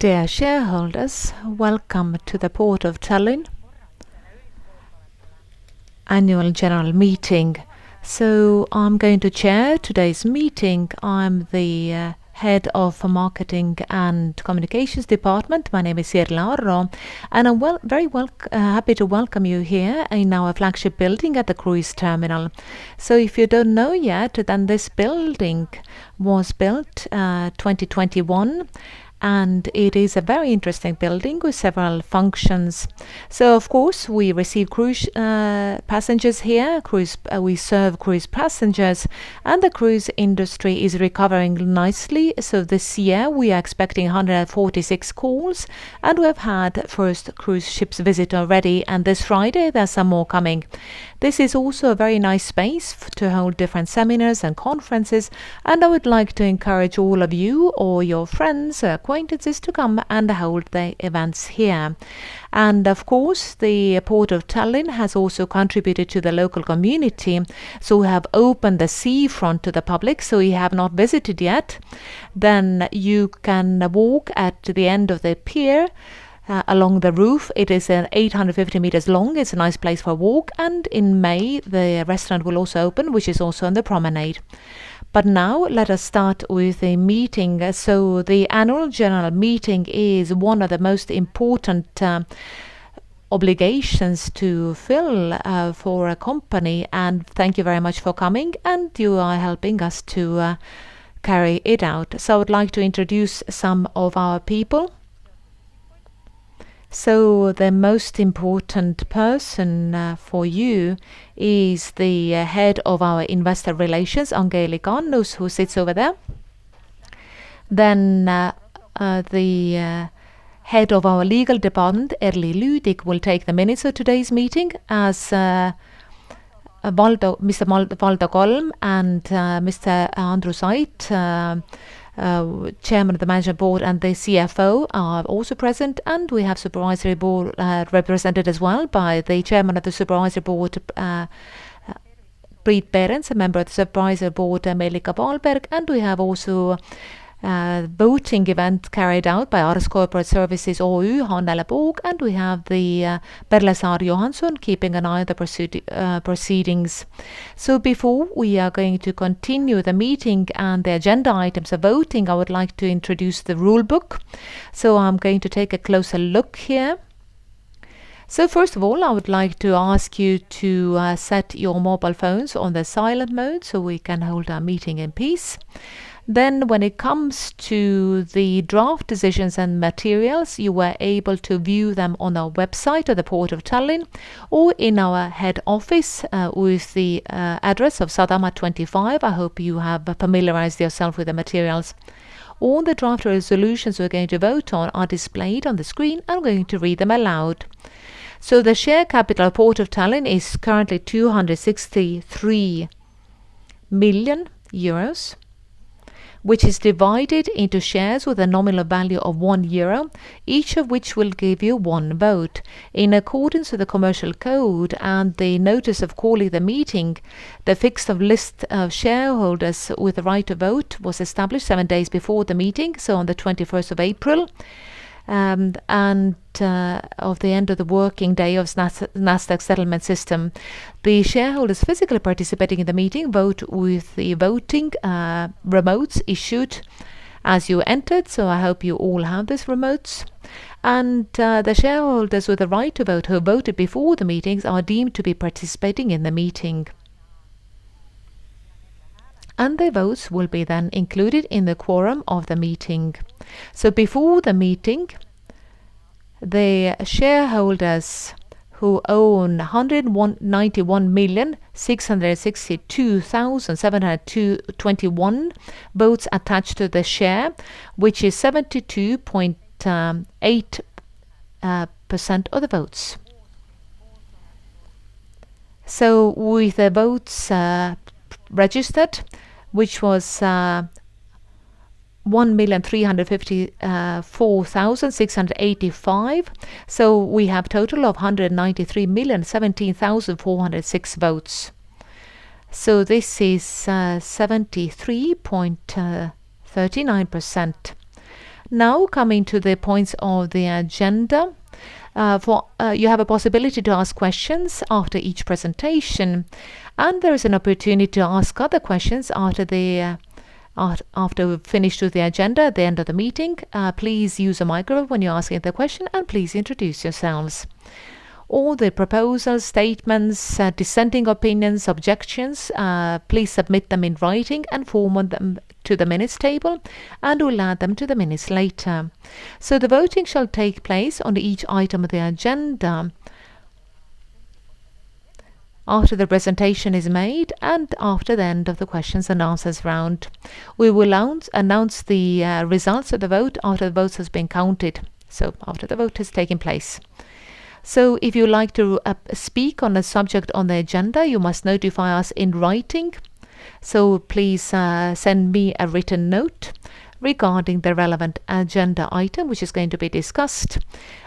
Dear shareholders, welcome to the Port of Tallinn Annual General Meeting. I'm going to chair today's meeting. I'm the head of Marketing and Communications department. My name is Sirle Arro, and I'm very happy to welcome you here in our flagship building at the cruise terminal. If you don't know yet, then this building was built, 2021, and it is a very interesting building with several functions. Of course, we receive cruise passengers here. We serve cruise passengers, and the cruise industry is recovering nicely. This year, we are expecting 146 calls, and we have had first cruise ships visit already. This Friday, there are some more coming. This is also a very nice space to hold different seminars and conferences, and I would like to encourage all of you or your friends or acquaintances to come and hold their events here. The Port of Tallinn has also contributed to the local community, so we have opened the seafront to the public. If you have not visited yet, then you can walk at the end of the pier along the roof. It is 850m long. It's a nice place for a walk. In May, the restaurant will also open, which is also on the promenade. Let us start with the meeting. The Annual General Meeting is one of the most important obligations to fill for a company, and thank you very much for coming, and you are helping us to carry it out. I would like to introduce some of our people. The most important person for you is the Head of our Investor Relations, Angelika Annus, who sits over there. The Head of our Legal Department, Erly Lüdig, will take the minutes of today's meeting as Valdo, Mr. Valdo Kalm and Mr. Andrus Ait, Chairman of the Management Board and the CFO are also present. We have Supervisory Board represented as well by the Chairman of the Supervisory Board, Priit Perens, a Member of the Supervisory Board, Meelike Paalberg. We have also, voting event carried out by ARS Corporate Services OÜ, Hannele Püvi. We have the Perlesari Johansson keeping an eye on the proceedings. Before we are going to continue the meeting and the agenda items of voting, I would like to introduce the rule book. I'm going to take a closer look here. First of all, I would like to ask you to set your mobile phones on the silent mode, so we can hold our meeting in peace. When it comes to the draft decisions and materials, you were able to view them on our website at the Port of Tallinn or in our head office, with the address of Sadama 25. I hope you have familiarized yourself with the materials. All the draft resolutions we're going to vote on are displayed on the screen. I'm going to read them aloud. The share capital Port of Tallinn is currently 263 million euros, which is divided into shares with a nominal value of 1 euro, each of which will give you one vote. In accordance with the Commercial Code and the notice of calling the meeting, the fixed list of shareholders with the right to vote was established seven days before the meeting, on the 21st of April, of the end of the working day of Nasdaq settlement system. The shareholders physically participating in the meeting vote with the voting remotes issued as you entered, so I hope you all have these remotes. The shareholders with the right to vote who voted before the meetings are deemed to be participating in the meeting. Their votes will be then included in the quorum of the meeting. Before the meeting, the shareholders who own 191,662,721 votes attached to the share, which is 72.8% of the votes. With the votes registered, which was 1,354,685. We have total of 193,017,406 votes. This is 73.39%. Now coming to the points of the agenda. You have a possibility to ask questions after each presentation, and there is an opportunity to ask other questions after we've finished with the agenda at the end of the meeting. Please use a micro when you're asking the question, and please introduce yourselves. All the proposals, statements, dissenting opinions, objections, please submit them in writing and forward them to the minutes table, and we'll add them to the minutes later. The voting shall take place on each item of the agenda after the presentation is made and after the end of the questions and answers round. We will announce the results of the vote after the votes has been counted, after the vote has taken place. If you'd like to speak on a subject on the agenda, you must notify us in writing. Please send me a written note regarding the relevant agenda item, which is going to be discussed,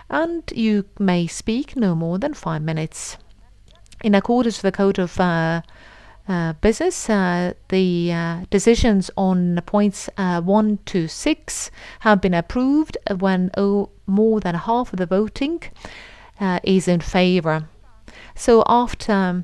and you may speak no more than five minutes. In accordance to the code of business, the decisions on points one to six have been approved when more than half of the voting is in favor. After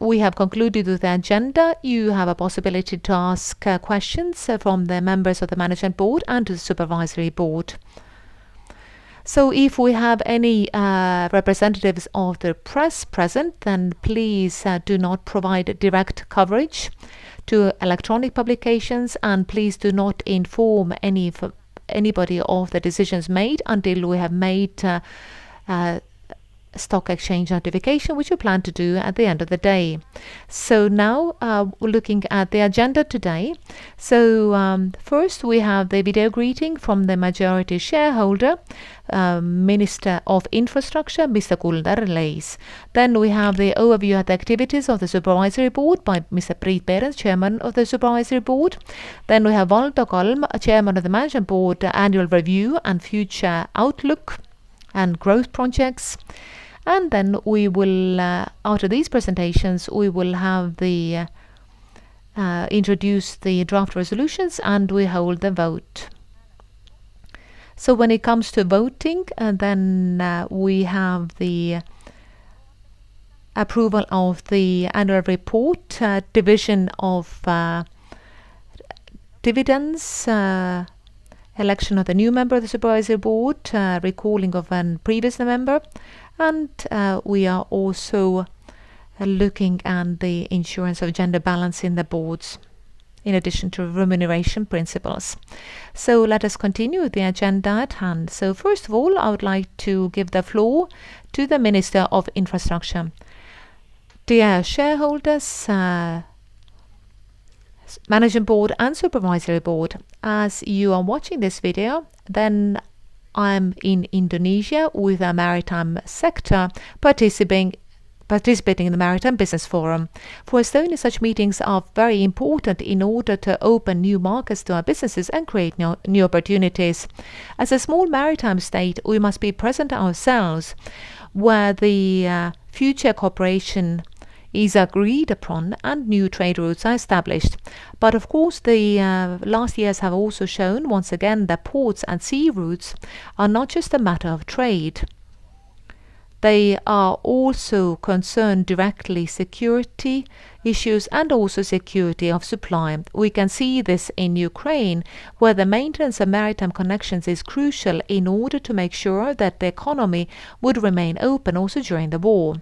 we have concluded with the agenda, you have a possibility to ask questions from the members of the management board and to the supervisory board. If we have any representatives of the press present, then please do not provide direct coverage to electronic publications, and please do not inform anybody of the decisions made until we have made stock exchange notification, which we plan to do at the end of the day. Now, looking at the agenda today. First, we have the video greeting from the majority shareholder, Minister of Infrastructure, Mr. Kuldar Leis. We have the overview of the activities of the Supervisory Board by Mr. Priit Perens, Chairman of the Supervisory Board. We have Valdo Kalm, Chairman of the Management Board, annual review and future outlook and growth projects. We will, after these presentations, we will introduce the draft resolutions, and we hold the vote. When it comes to voting, we have the approval of the annual report, division of dividends, election of the new member of the Supervisory Board, recalling of a previous member. We are also looking at the insurance of gender balance in the boards in addition to remuneration principles. Let us continue with the agenda at hand. First of all, I would like to give the floor to the Minister of Infrastructure. Dear shareholders, management board, and supervisory board, as you are watching this video, then I'm in Indonesia with the maritime sector, participating in the Maritime Business Forum. For Estonia, such meetings are very important in order to open new markets to our businesses and create new opportunities. As a small maritime state, we must be present ourselves where the future cooperation is agreed upon and new trade routes are established. Of course, the last years have also shown once again that ports and sea routes are not just a matter of trade. They are also concerned directly security issues and also security of supply. We can see this in Ukraine, where the maintenance of maritime connections is crucial in order to make sure that the economy would remain open also during the war.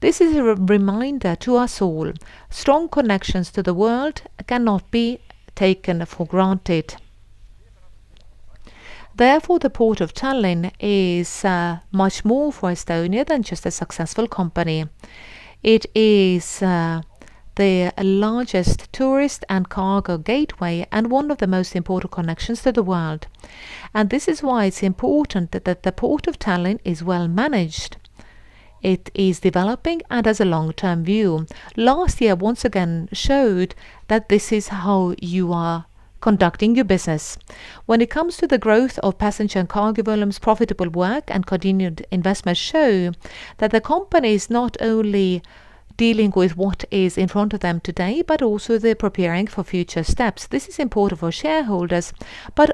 This is a reminder to us all. Strong connections to the world cannot be taken for granted. Therefore, the Port of Tallinn is much more for Estonia than just a successful company. It is the largest tourist and cargo gateway and one of the most important connections to the world. This is why it's important that the Port of Tallinn is well managed, it is developing and has a long-term view. Last year, once again showed that this is how you are conducting your business. When it comes to the growth of passenger and cargo volumes, profitable work and continued investment show that the company is not only dealing with what is in front of them today, but also they're preparing for future steps. This is important for shareholders,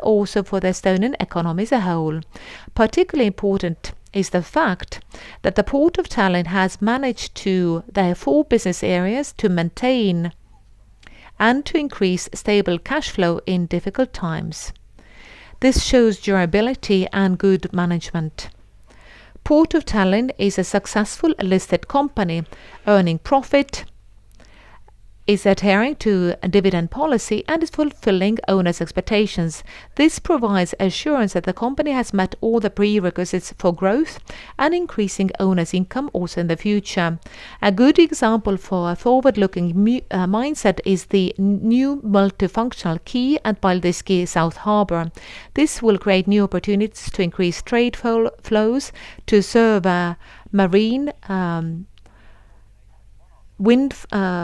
also for the Estonian economy as a whole. Particularly important is the fact that the Port of Tallinn has managed, their four business areas, to maintain and to increase stable cash flow in difficult times. This shows durability and good management. Port of Tallinn is a successful listed company, earning profit, is adhering to dividend policy, and is fulfilling owners' expectations. This provides assurance that the company has met all the prerequisites for growth and increasing owners' income also in the future. A good example for a forward-looking mindset is the new multifunctional quay at Paldiski South Harbour. This will create new opportunities to increase trade flow, flows to serve marine wind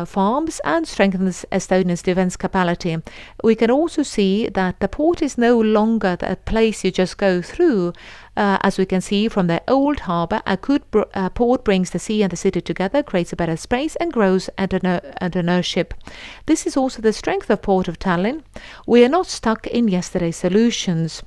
farms and strengthens Estonia's defense capability. We can also see that the port is no longer the place you just go through. As we can see from the old harbor, a good port brings the sea and the city together, creates a better space, and grows entrepreneurship. This is also the strength of Port of Tallinn. We are not stuck in yesterday's solutions.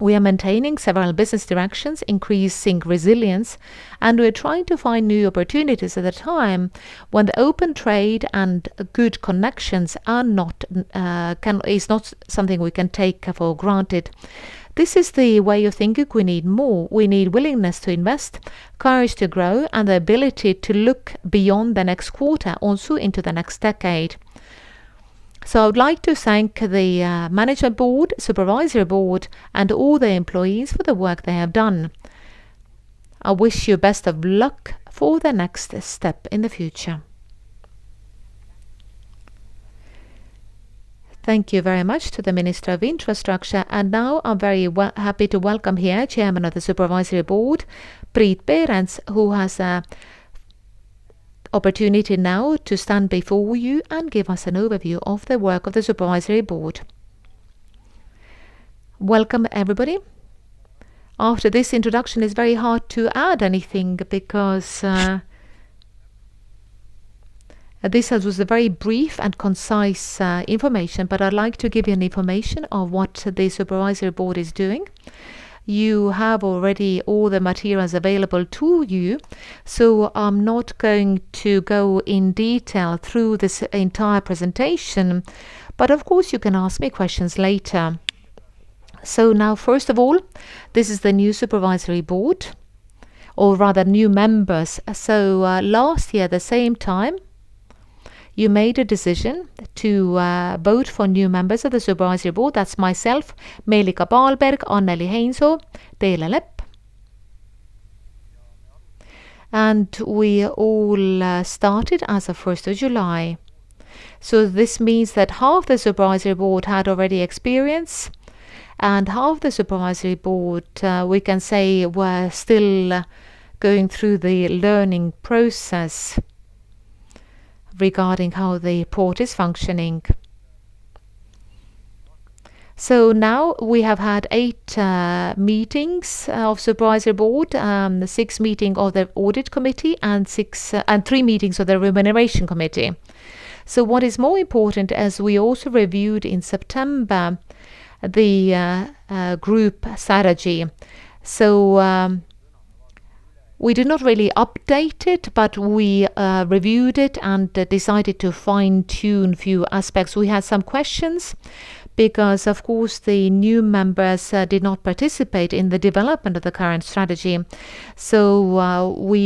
We are maintaining several business directions, increasing resilience, and we are trying to find new opportunities at a time when the open trade and good connections are not something we can take for granted. This is the way of thinking we need more. We need willingness to invest, courage to grow, and the ability to look beyond the next quarter also into the next decade. I would like to thank the Management Board, Supervisory Board, and all the employees for the work they have done. I wish you best of luck for the next step in the future. Thank you very much to the Minister of Infrastructure. Now I'm very happy to welcome here Chairman of the Supervisory Board, Priit Perens, who has an opportunity now to stand before you and give us an overview of the work of the Supervisory Board. Welcome everybody. After this introduction, it's very hard to add anything because this was a very brief and concise information. I'd like to give you information of what the Supervisory Board is doing. You have already all the materials available to you. I'm not going to go in detail through this entire presentation, but of course you can ask me questions later. Now first of all, this is the new supervisory board, or rather new members. Last year, the same time, you made a decision to vote for new members of the supervisory board. That's myself, Meelike Paalberg, Anneli Heinsoo, Teele Lepp. We all started as of first of July. This means that half the supervisory board had already experience and half the supervisory board, we can say were still going through the learning process regarding how the port is functioning. Now we have had eight meetings of supervisory board, six meetings of the audit committee, and six and three meetings of the remuneration committee. What is more important, as we also reviewed in September, the group strategy. We did not really update it, but we reviewed it and decided to fine-tune few aspects. We had some questions because, of course, the new members did not participate in the development of the current strategy. We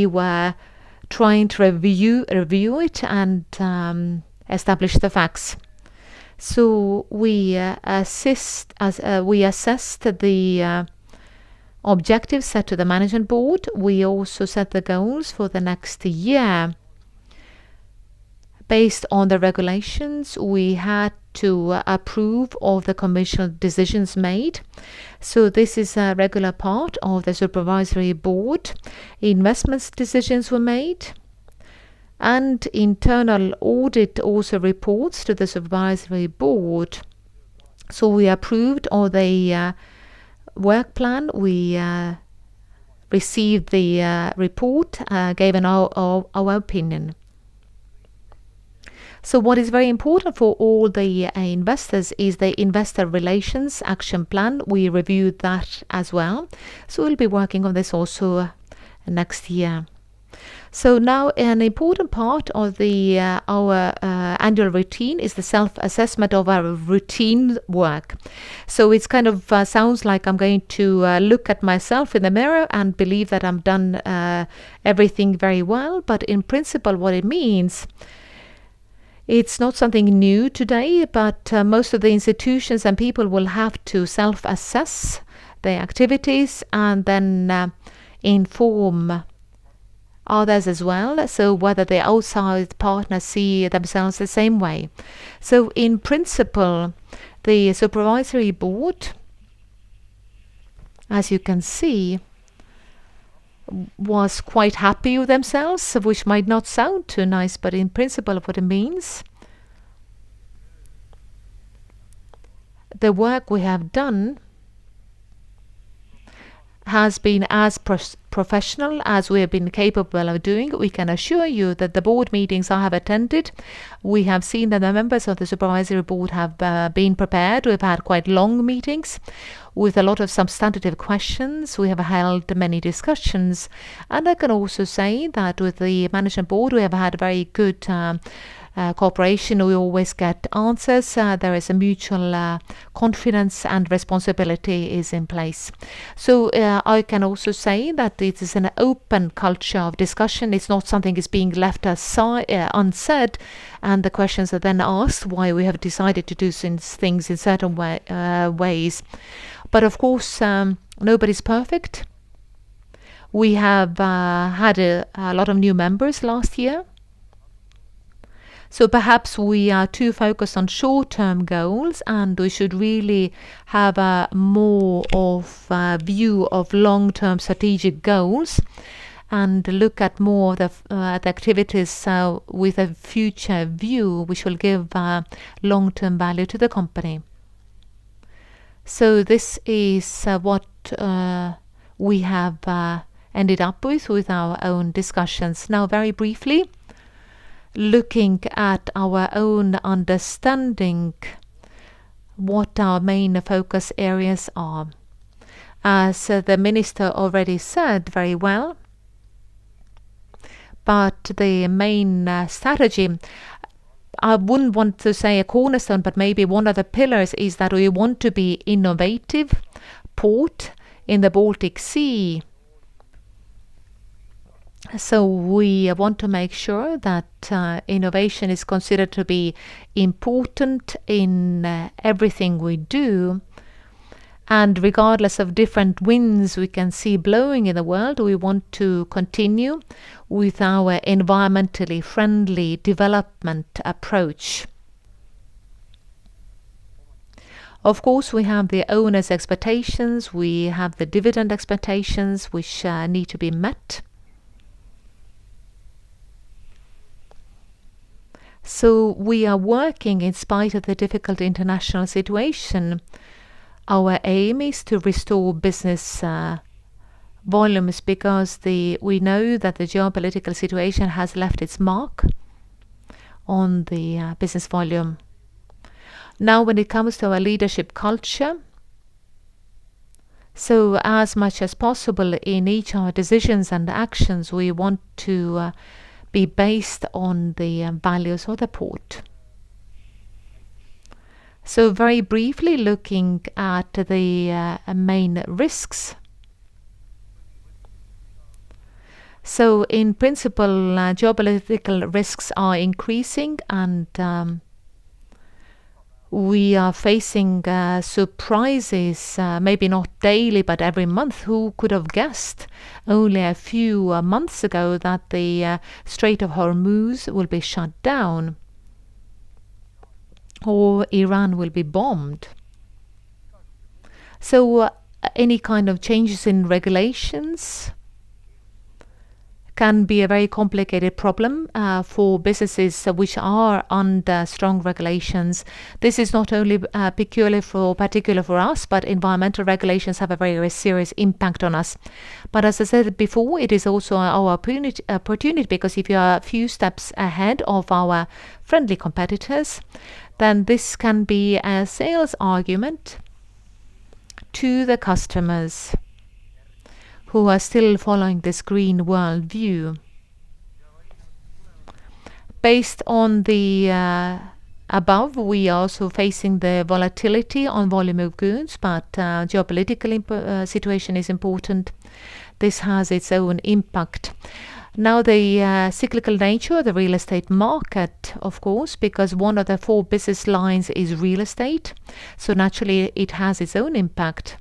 were trying to review it and establish the facts. We assessed the objectives set to the management board. We also set the goals for the next year. Based on the regulations, we had to approve all the commercial decisions made. This is a regular part of the supervisory board. Investments decisions were made and internal audit also reports to the supervisory board. We approved all the work plan. We received the report, gave our opinion. What is very important for all the investors is the investor relations action plan. We reviewed that as well. We'll be working on this also next year. Now an important part of the our annual routine is the self-assessment of our routine work. It's kind of sounds like I'm going to look at myself in the mirror and believe that I've done everything very well. In principle, what it means, it's not something new today, but most of the institutions and people will have to self-assess their activities and then inform others as well. Whether the outside partners see themselves the same way. In principle, the supervisory board, as you can see, was quite happy with themselves, which might not sound too nice, but in principle of what it means, the work we have done has been as professional as we have been capable of doing. We can assure you that the board meetings I have attended, we have seen that the members of the supervisory board have been prepared. We've had quite long meetings with a lot of substantive questions. We have held many discussions, and I can also say that with the management board, we have had very good cooperation. We always get answers. There is a mutual confidence and responsibility is in place. I can also say that it is an open culture of discussion. It's not something is being left unsaid, and the questions are then asked why we have decided to do certain things in certain ways. Of course, nobody's perfect. We have had a lot of new members last year. Perhaps we are too focused on short-term goals, and we should really have more of a view of long-term strategic goals and look at more the activities with a future view which will give long-term value to the company. This is what we have ended up with our own discussions. Now, very briefly, looking at our own understanding what our main focus areas are. As the minister already said very well, the main strategy, I wouldn't want to say a cornerstone, but maybe one of the pillars is that we want to be innovative port in the Baltic Sea. We want to make sure that innovation is considered to be important in everything we do. Regardless of different winds we can see blowing in the world, we want to continue with our environmentally friendly development approach. Of course, we have the owners' expectations. We have the dividend expectations which need to be met. We are working in spite of the difficult international situation. Our aim is to restore business volumes because we know that the geopolitical situation has left its mark on the business volume. When it comes to our leadership culture, as much as possible in each our decisions and actions, we want to be based on the values of the port. Very briefly, looking at the main risks. In principle, geopolitical risks are increasing and we are facing surprises, maybe not daily, but every month. Who could have guessed only a few months ago that the Strait of Hormuz will be shut down or Iran will be bombed? Any kind of changes in regulations can be a very complicated problem for businesses which are under strong regulations. This is not only particular for us, but environmental regulations have a very serious impact on us. As I said before, it is also our opportunity because if you are a few steps ahead of our friendly competitors, then this can be a sales argument to the customers who are still following this green world view. Based on the above, we are also facing the volatility on volume of goods, geopolitical situation is important. This has its own impact. The cyclical nature of the real estate market, of course, because one of the four business lines is real estate, naturally it has its own impact.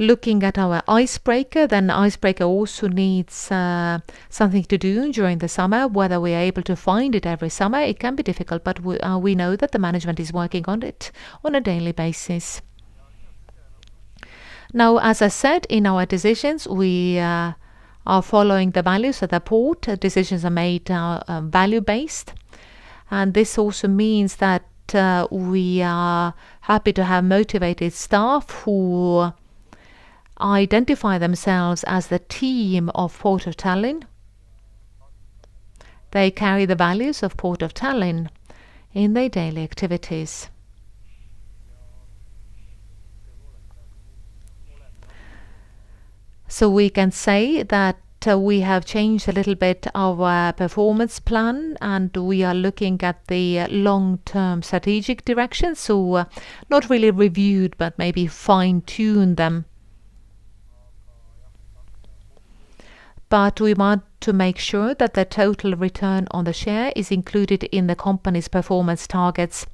Looking at our icebreaker also needs something to do during the summer. Whether we are able to find it every summer, it can be difficult, we know that the management is working on it on a daily basis. As I said, in our decisions, we are following the values of the Port of Tallinn. Decisions are made value-based. This also means that we are happy to have motivated staff who identify themselves as the team of Port of Tallinn. They carry the values of Port of Tallinn in their daily activities. We can say that we have changed a little bit our performance plan, and we are looking at the long-term strategic direction. Not really reviewed, but maybe fine-tune them. We want to make sure that the total return on the share is included in the company's performance targets.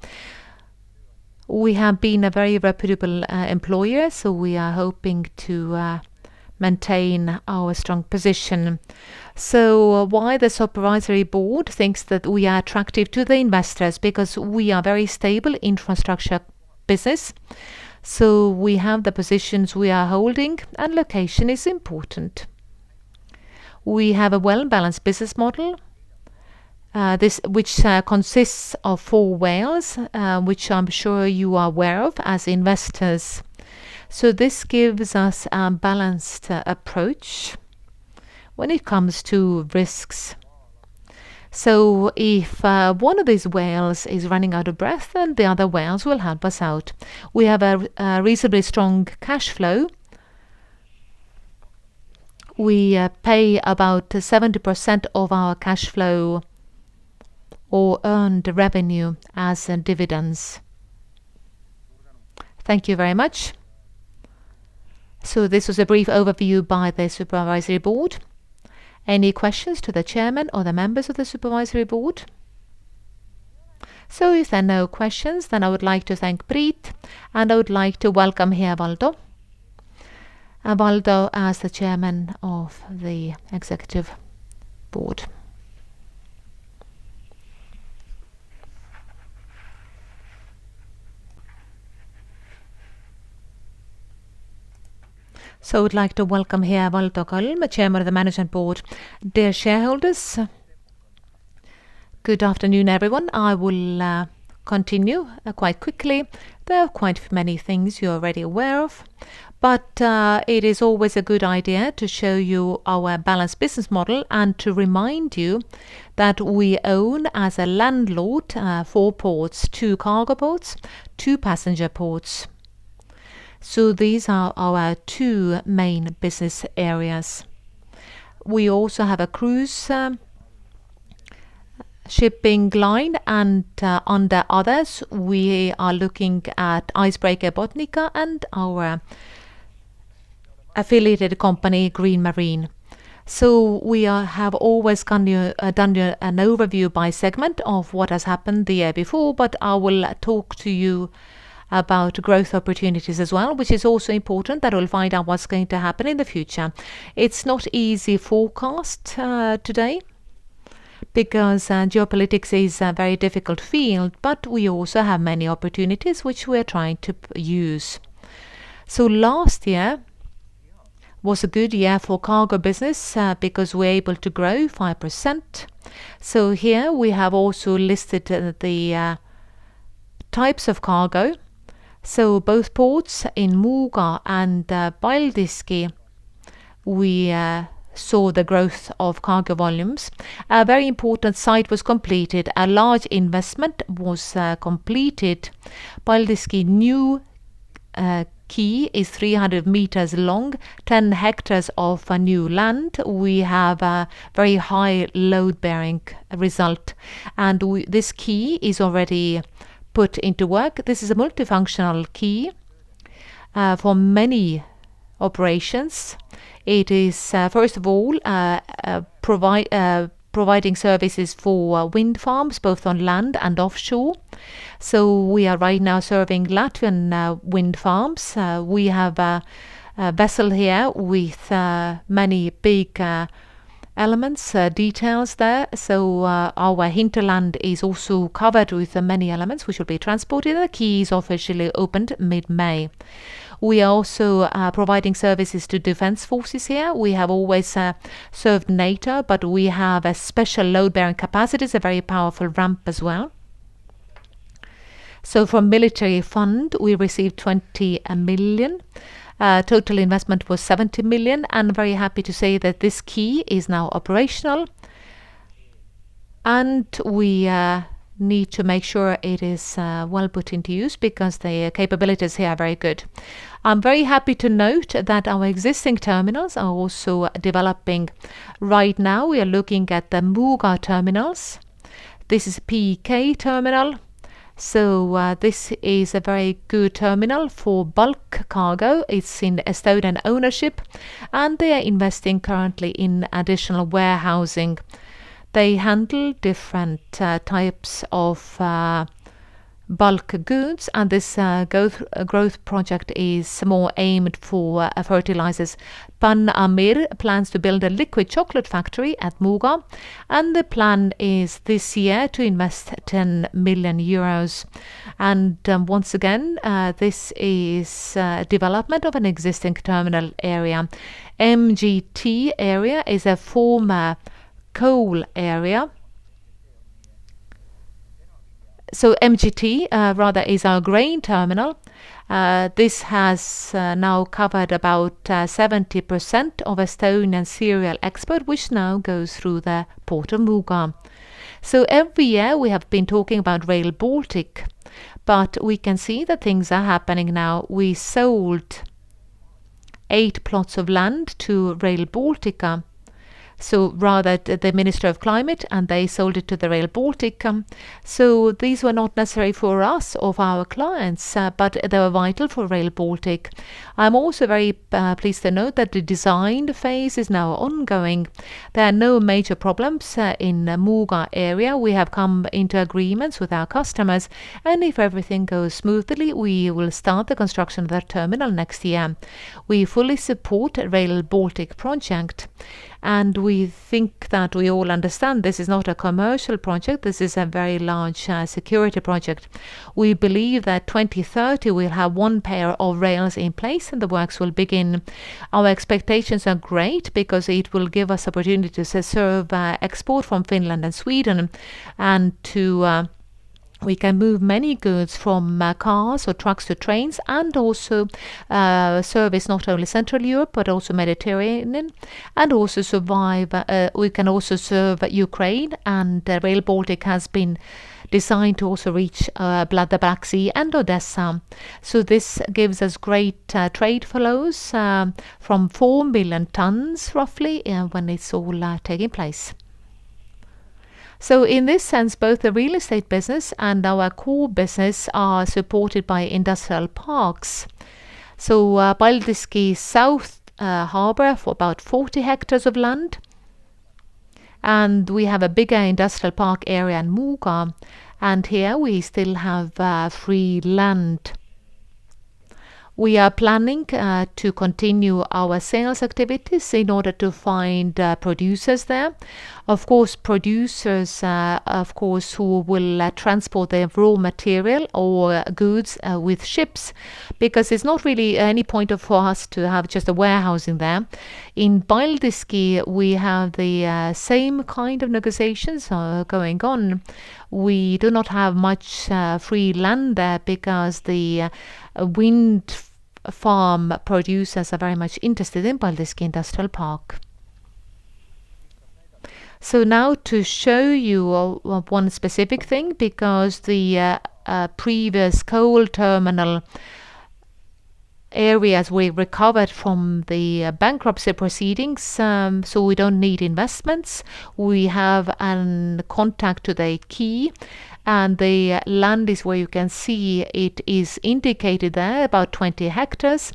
We have been a very reputable employer, we are hoping to maintain our strong position. Why the supervisory board thinks that we are attractive to the investors? We are very stable infrastructure business. We have the positions we are holding and location is important. We have a well-balanced business model, which consists of four whales, which I'm sure you are aware of as investors. This gives us a balanced approach when it comes to risks. If one of these whales is running out of breath, the other whales will help us out. We have a reasonably strong cash flow. We pay about 70% of our cash flow or earned revenue as dividends. Thank you very much. This was a brief overview by the Supervisory Board. Any questions to the Chairman or the members of the Supervisory Board? If there are no questions, I would like to thank Priit. I would like to welcome here Valdo. Valdo as the Chairman of the Management Board. I would like to welcome here Valdo Kalm, Chairman of the Management Board. Dear shareholders, good afternoon, everyone. I will continue quite quickly. There are quite many things you are already aware of. It is always a good idea to show you our balanced business model and to remind you that we own as a landlord, four ports, two cargo ports, two passenger ports. These are our two main business areas. We also have a cruise shipping line and under others, we are looking at Icebreaker Botnica and our affiliated company, Green Marine. We have always done an overview by segment of what has happened the year before, but I will talk to you about growth opportunities as well, which is also important that we will find out what is going to happen in the future. It is not easy forecast today because geopolitics is a very difficult field, we also have many opportunities which we are trying to use. Last year was a good year for cargo business because we are able to grow 5%. Here we have also listed the types of cargo. Both ports in Muuga and Paldiski, we saw the growth of cargo volumes. A very important site was completed. A large investment was completed. Paldiski new quay is 300m long, 10 hectares of a new land. We have a very high load-bearing result. This quay is already put into work. This is a multifunctional quay for many operations. It is first of all providing services for wind farms, both on land and offshore. We are right now serving Latvian wind farms. We have a vessel here with many big elements, details there. Our hinterland is also covered with many elements which will be transported. The quay is officially opened mid-May. We are also providing services to defense forces here. We have always served NATO, but we have a special load-bearing capacities, a very powerful ramp as well. From military fund, we received 20 million. Total investment was 70 million. Very happy to say that this quay is now operational. We need to make sure it is well put into use because the capabilities here are very good. I am very happy to note that our existing terminals are also developing. Right now, we are looking at the Muuga terminals. This is PK Terminal. This is a very good terminal for bulk cargo. It is in Estonian ownership, and they are investing currently in additional warehousing. They handle different types of bulk goods, and this growth project is more aimed for fertilizers. Panamir plans to build a liquid chocolate factory at Muuga, and the plan is this year to invest 10 million euros. Once again, this is development of an existing terminal area. MGT area is a former coal area. MGT, rather, is our Grain Terminal. This has now covered about 70% of Estonian cereal export, which now goes through the Port of Muuga. Every year we have been talking about Rail Baltic, but we can see that things are happening now. We sold eight plots of land to Rail Baltica, rather the Minister of Climate, they sold it to the Rail Baltica. These were not necessary for us or for our clients, but they were vital for Rail Baltic. I'm also very pleased to note that the design phase is now ongoing. There are no major problems in the Muuga area. We have come into agreements with our customers, if everything goes smoothly, we will start the construction of that terminal next year. We fully support Rail Baltic project, we think that we all understand this is not a commercial project. This is a very large security project. We believe that 2030 we'll have one pair of rails in place, and the works will begin. Our expectations are great because it will give us opportunity to serve export from Finland and Sweden. We can move many goods from cars or trucks to trains and also service not only Central Europe, but also Mediterranean, and also survive, we can also serve Ukraine. The Rail Baltic has been designed to also reach the Black Sea and Odessa. This gives us great trade flows from 4 million tons roughly when it's all taking place. In this sense, both the real estate business and our core business are supported by industrial parks. Paldiski South Harbor for about 40 hectares of land, and we have a bigger industrial park area in Muuga, and here we still have free land. We are planning to continue our sales activities in order to find producers there. Of course, producers, of course, who will transport their raw material or goods with ships, because there's not really any point for us to have just a warehousing there. In Paldiski, we have the same kind of negotiations going on. We do not have much free land there because the wind farm producers are very much interested in Paldiski Industrial Park. Now to show you one specific thing, because the previous coal terminal areas we recovered from the bankruptcy proceedings, we don't need investments. We have a contact to the quay, and the land is where you can see it is indicated there, about 20 hectares.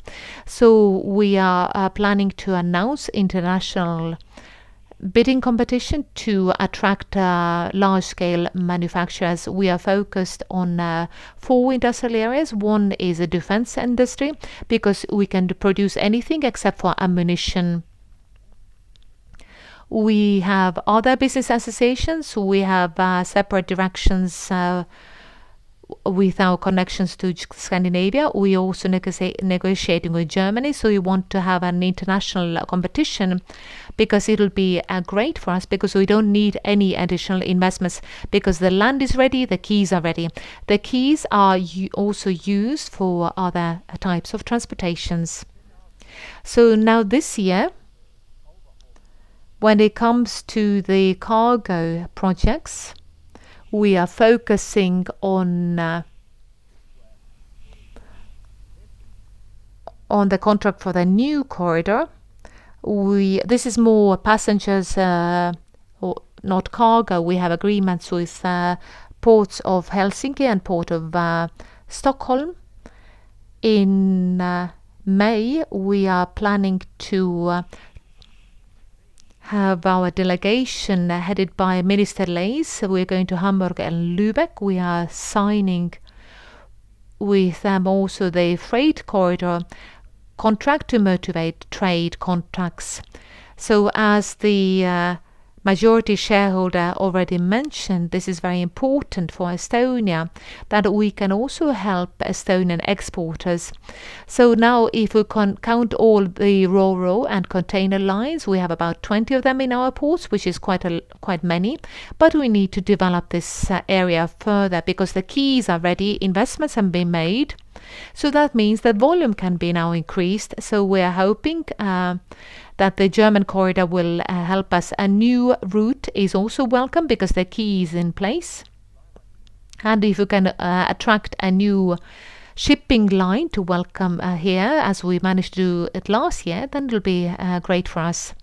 We are planning to announce international bidding competition to attract large scale manufacturers. We are focused on four industrial areas. One is a defense industry because we can produce anything except for ammunition. We have other business associations. We have separate directions with our connections to Scandinavian. We also negotiating with Germany, so we want to have an international competition because it'll be great for us because we don't need any additional investments because the land is ready, the quays are ready. The quays are also used for other types of transportations. Now this year, when it comes to the cargo projects, we are focusing on the contract for the new corridor. This is more passengers, or not cargo. We have agreements with Port of Helsinki and Ports of Stockholm. In May, we are planning to have our delegation headed by Minister Leis. We're going to Hamburg and Lübeck. We are signing with them also the freight corridor contract to motivate trade contracts. As the majority shareholder already mentioned, this is very important for Estonia that we can also help Estonian exporters. Now if we count all the ro-ro and container lines, we have about 20 of them in our ports, which is quite many. We need to develop this area further because the quays are ready, investments have been made, that means the volume can be now increased. We are hoping that the German corridor will help us. A new route is also welcome because the quay is in place. If we can attract a new shipping line to welcome here, as we managed to do it last year, then it'll be great for us.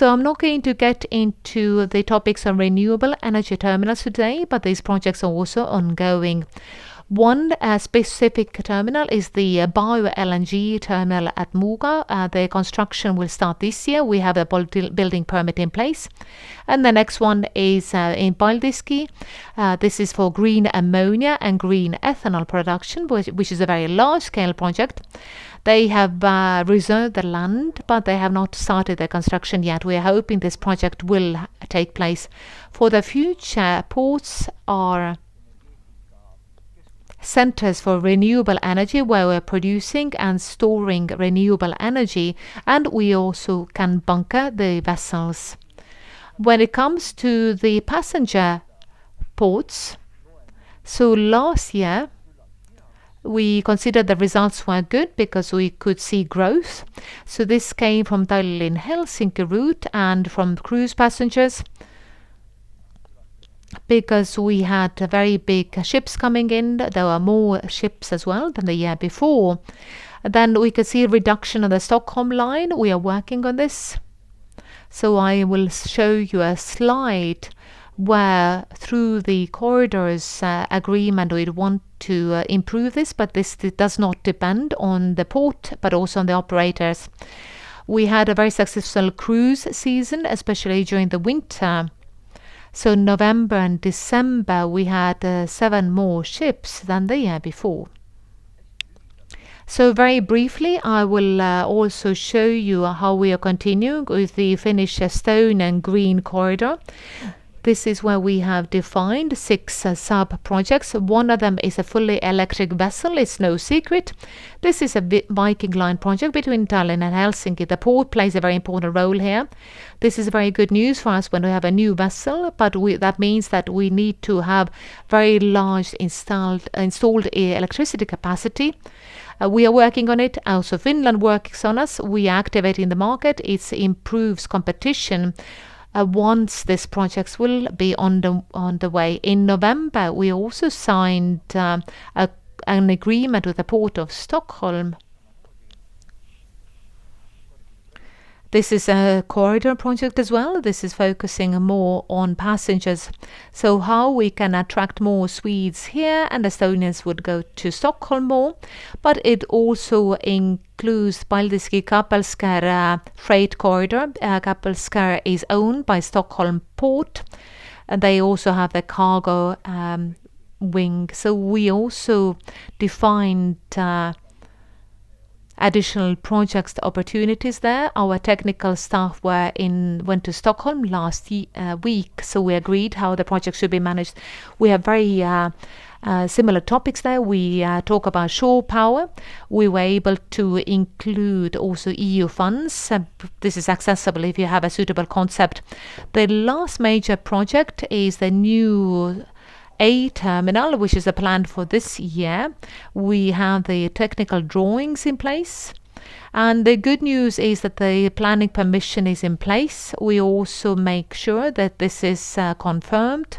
I'm not going to get into the topics on renewable energy terminals today, but these projects are also ongoing. One specific terminal is the BioLNG terminal at Muuga. The construction will start this year. We have a building permit in place. The next one is in Paldiski. This is for green ammonia and green ethanol production, which is a very large-scale project. They have reserved the land, but they have not started the construction yet. We are hoping this project will take place. For the future, ports are centers for renewable energy, where we're producing and storing renewable energy, and we also can bunker the vessels. When it comes to the passenger ports, last year, we considered the results were good because we could see growth. This came from Tallinn-Helsinki route and from cruise passengers because we had very big ships coming in. There were more ships as well than the year before. We could see a reduction on the Stockholm line. We are working on this. I will show you a slide where through the corridors agreement, we'd want to improve this, but this does not depend on the port, but also on the operators. We had a very successful cruise season, especially during the winter. November and December, we had seven more ships than the year before. Very briefly, I will also show you how we are continuing with the FinEst and Green Corridor. This is where we have defined six sub-projects. One of them is a fully electric vessel. It's no secret. This is a Viking Line project between Tallinn and Helsinki. The port plays a very important role here. This is very good news for us when we have a new vessel, that means that we need to have very large installed electricity capacity. We are working on it. Also, Finland works on us. We are activating the market. It improves competition, once these projects will be on the way. In November, we also signed an agreement with the Port of Stockholm. This is a corridor project as well. This is focusing more on passengers. How we can attract more Swedes here, and Estonians would go to Stockholm more. It also includes Paldiski-Kapellskär Freight Corridor. Kapellskär is owned by Ports of Stockholm. They also have the cargo wing. We also defined additional projects opportunities there. Our technical staff went to Stockholm last week, we agreed how the project should be managed. We have very similar topics there. We talk about shore power. We were able to include also EU funds. This is accessible if you have a suitable concept. The last major project is the new A terminal, which is a plan for this year. We have the technical drawings in place. The good news is that the planning permission is in place. We also make sure that this is confirmed,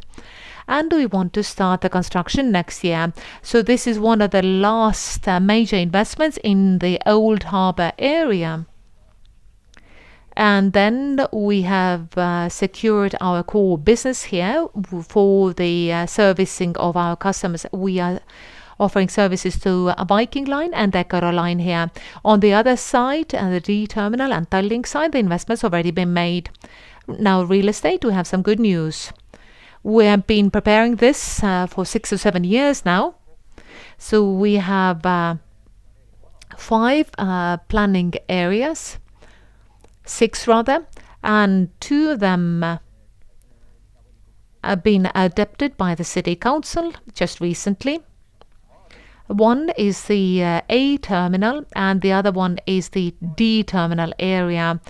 and we want to start the construction next year. This is one of the last major investments in the old harbor area. We have secured our core business here for the servicing of our customers. We are offering services to a Viking Line and Eckerö Line here. On the other side, the D terminal and Tallink side, the investment's already been made. Real estate, we have some good news. We have been preparing this for six or seven years now. We have five planning areas, six rather, and two of them have been adapted by the city council just recently. One is the A terminal, and the other one is the D terminal area.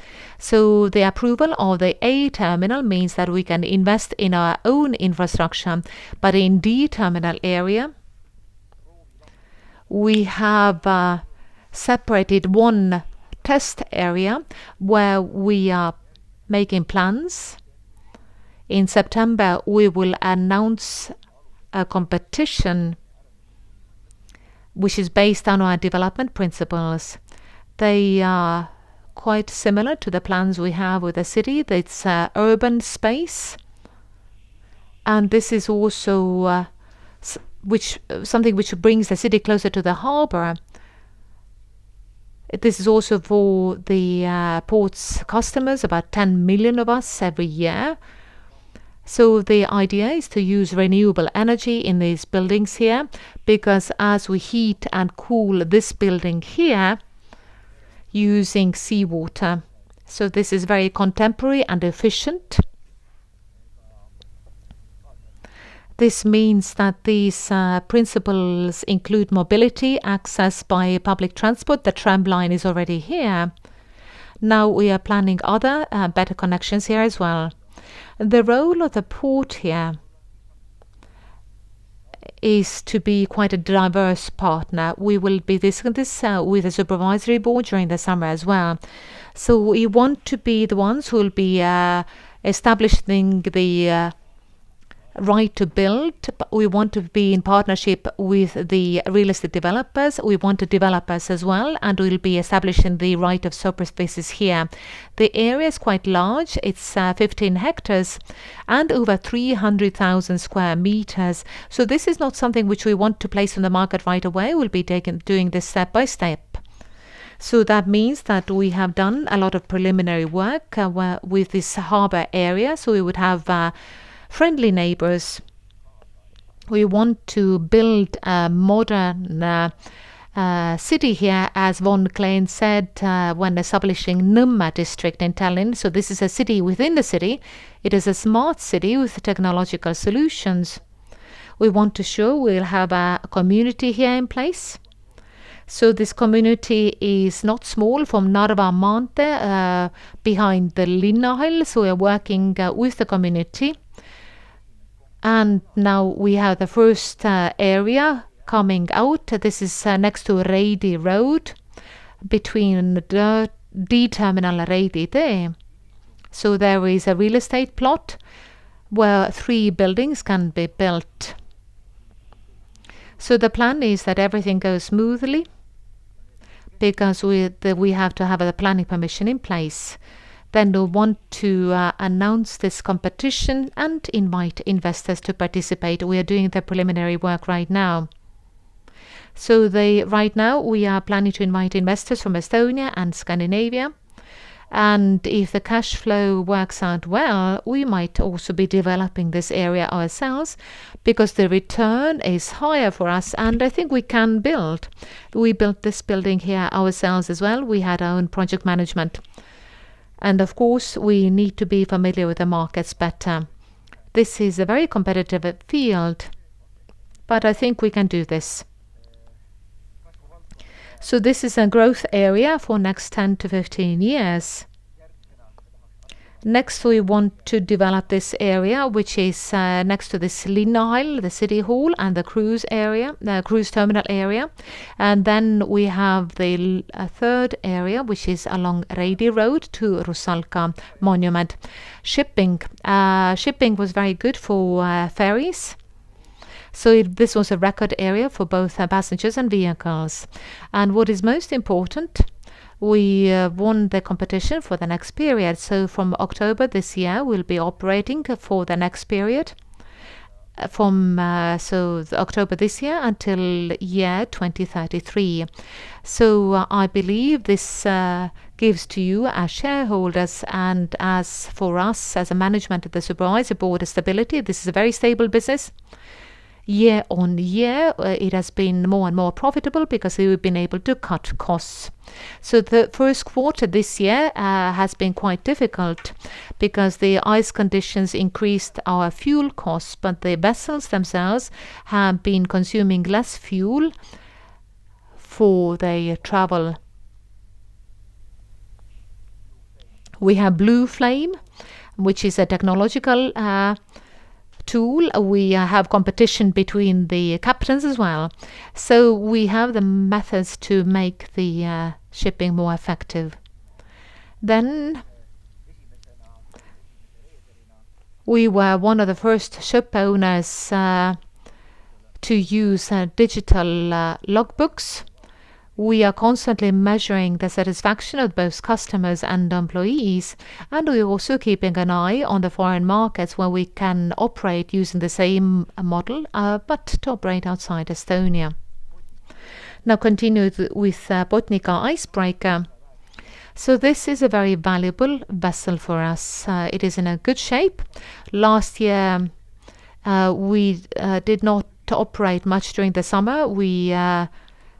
The approval of the A terminal means that we can invest in our own infrastructure. In D terminal area, we have separated one test area where we are making plans. In September, we will announce a competition which is based on our development principles. They are quite similar to the plans we have with the city. It's urban space, and this is also something which brings the city closer to the harbor. This is also for the port's customers, about 10 million of us every year. The idea is to use renewable energy in these buildings here, because as we heat and cool this building here using seawater. This is very contemporary and efficient. This means that these principles include mobility, access by public transport. The tramline is already here. We are planning other, better connections here as well. The role of the port here is to be quite a diverse partner. We will be discussing this with the supervisory board during the summer as well. We want to be the ones who will be establishing the right to build. We want to be in partnership with the real estate developers. We want to develop us as well, and we'll be establishing the right of superficies here. The area is quite large. It's 15 hectares and over 300,000 square meters. This is not something which we want to place on the market right away. We'll be doing this step by step. That means that we have done a lot of preliminary work with this harbor area, so we would have friendly neighbors. We want to build a modern city here, as Von Glehn said, when establishing Nõmme District in Tallinn. This is a city within the city. It is a smart city with technological solutions. We want to show we'll have a community here in place. This community is not small, from Narva Maantee, behind the Linnahall. We are working with the community. And now we have the first area coming out. This is next to Reidi Road between the D terminal and Reidi Tee. There is a real estate plot where three buildings can be built. The plan is that everything goes smoothly because we have to have the planning permission in place. We'll want to announce this competition and invite investors to participate. We are doing the preliminary work right now. Right now, we are planning to invite investors from Estonia and Scandinavia. If the cash flow works out well, we might also be developing this area ourselves because the return is higher for us, and I think we can build. We built this building here ourselves as well. We had our own project management. Of course, we need to be familiar with the markets, but this is a very competitive field. I think we can do this. This is a growth area for next 10 to 15 years. Next, we want to develop this area, which is next to this Linnahall, the city hall, and the cruise area, the cruise terminal area. We have the third area, which is along Reidi Road to Rusalka Monument. Shipping. Shipping was very good for ferries. This was a record area for both passengers and vehicles. What is most important, we won the competition for the next period. From October this year, we'll be operating for the next period from October this year until year 2033. I believe this gives to you, our shareholders, and as for us as a management of the supervisory board, a stability. This is a very stable business. Year-on-year, it has been more and more profitable because we've been able to cut costs. Q1 this year has been quite difficult because the ice conditions increased our fuel costs, but the vessels themselves have been consuming less fuel for their travel. We have Blueflow, which is a technological tool. We have competition between the captains as well. We have the methods to make the shipping more effective. We were one of the first ship owners to use digital logbooks. We are constantly measuring the satisfaction of both customers and employees, and we're also keeping an eye on the foreign markets where we can operate using the same model, but to operate outside Estonia. Continue with Botnica icebreaker. This is a very valuable vessel for us. It is in a good shape. We did not operate much during the summer. We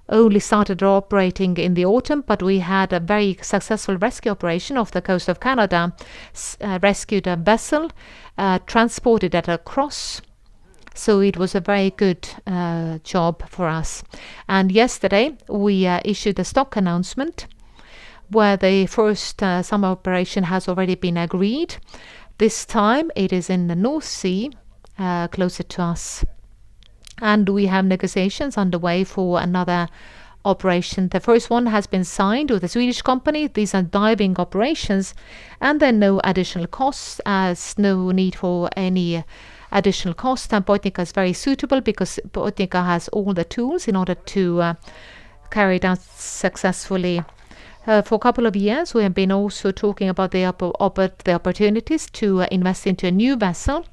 only started operating in the autumn, but we had a very successful rescue operation off the coast of Canada. We rescued a vessel, transported it across. It was a very good job for us. Yesterday, we issued a stock announcement where the first summer operation has already been agreed. This time it is in the North Sea, closer to us. We have negotiations underway for another operation. The first one has been signed with a Swedish company. These are diving operations, and there are no additional costs, as no need for any additional cost. Botnica is very suitable because Botnica has all the tools in order to carry it out successfully. For a couple of years, we have been also talking about the opportunities to invest into a new vessel.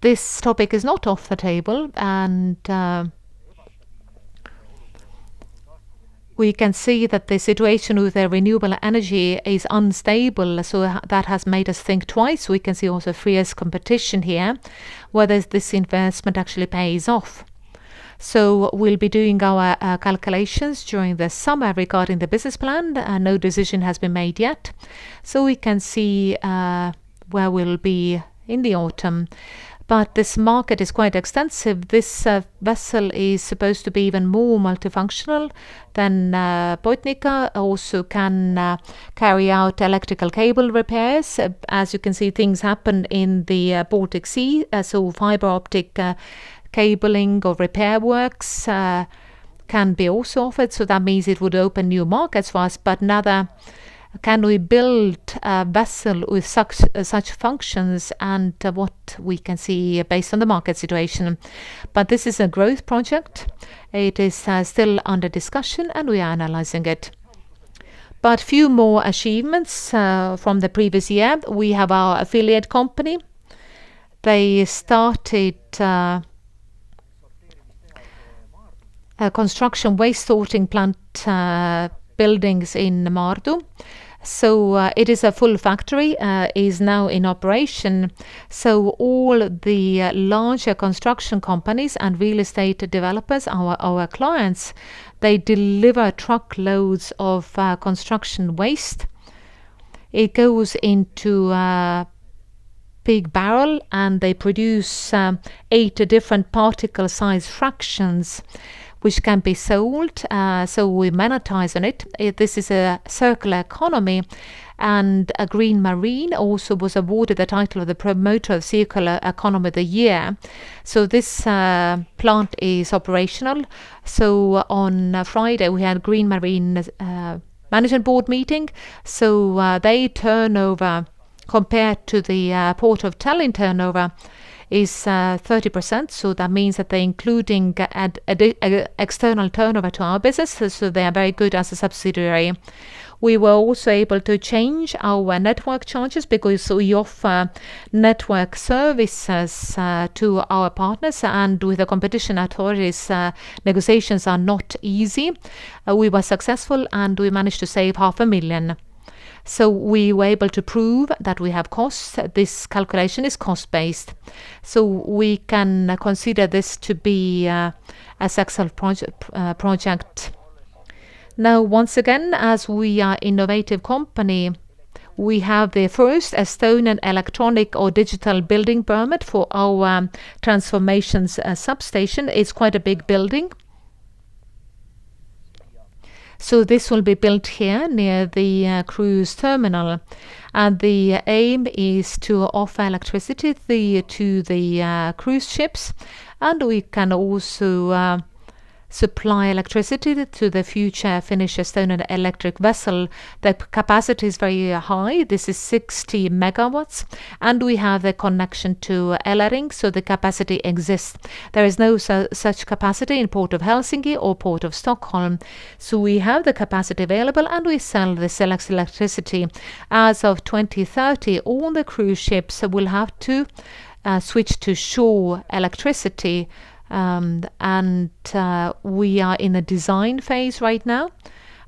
This topic is not off the table and we can see that the situation with the renewable energy is unstable, that has made us think twice. We can see also three years competition here, whether this investment actually pays off. We'll be doing our calculations during the summer regarding the business plan. No decision has been made yet. We can see where we'll be in the autumn. This market is quite extensive. This vessel is supposed to be even more multifunctional than Botnica, also can carry out electrical cable repairs. As you can see, things happen in the Baltic Sea. Fiber optic cabling or repair works can be also offered. That means it would open new markets for us. Another, can we build a vessel with such functions and what we can see based on the market situation. This is a growth project. It is still under discussion, and we are analyzing it. Few more achievements from the previous year. We have our affiliate company. They started a construction waste sorting plant, buildings in Maardu. It is a full factory is now in operation. All the larger construction companies and real estate developers, our clients, they deliver truckloads of construction waste. It goes into a big barrel, and they produce eight different particle size fractions, which can be sold, we monetize on it. This is a circular economy, Green Marine also was awarded the title of the Promoter of Circular Economy of the Year. This plant is operational. On Friday, we had Green Marine's management board meeting. They turnover compared to the Port of Tallinn turnover is 30%. That means that they including external turnover to our business. They are very good as a subsidiary. We were also able to change our network charges because we offer network services to our partners. With the competition authorities, negotiations are not easy. We were successful. We managed to save 0.5 million. We were able to prove that we have costs. This calculation is cost-based. We can consider this to be a successful project. Once again, as we are innovative company, we have the first Estonian electronic or digital building permit for our transformations substation. It's quite a big building. This will be built here near the cruise terminal. The aim is to offer electricity to the cruise ships. We can also supply electricity to the future Finnish and Estonian electric vessel. The capacity is very high. This is 60MW, and we have a connection to Elering, so the capacity exists. There is no such capacity in Port of Helsinki or Port of Stockholm. We have the capacity available, and we sell this electricity. As of 2030, all the cruise ships will have to switch to shore electricity. We are in a design phase right now,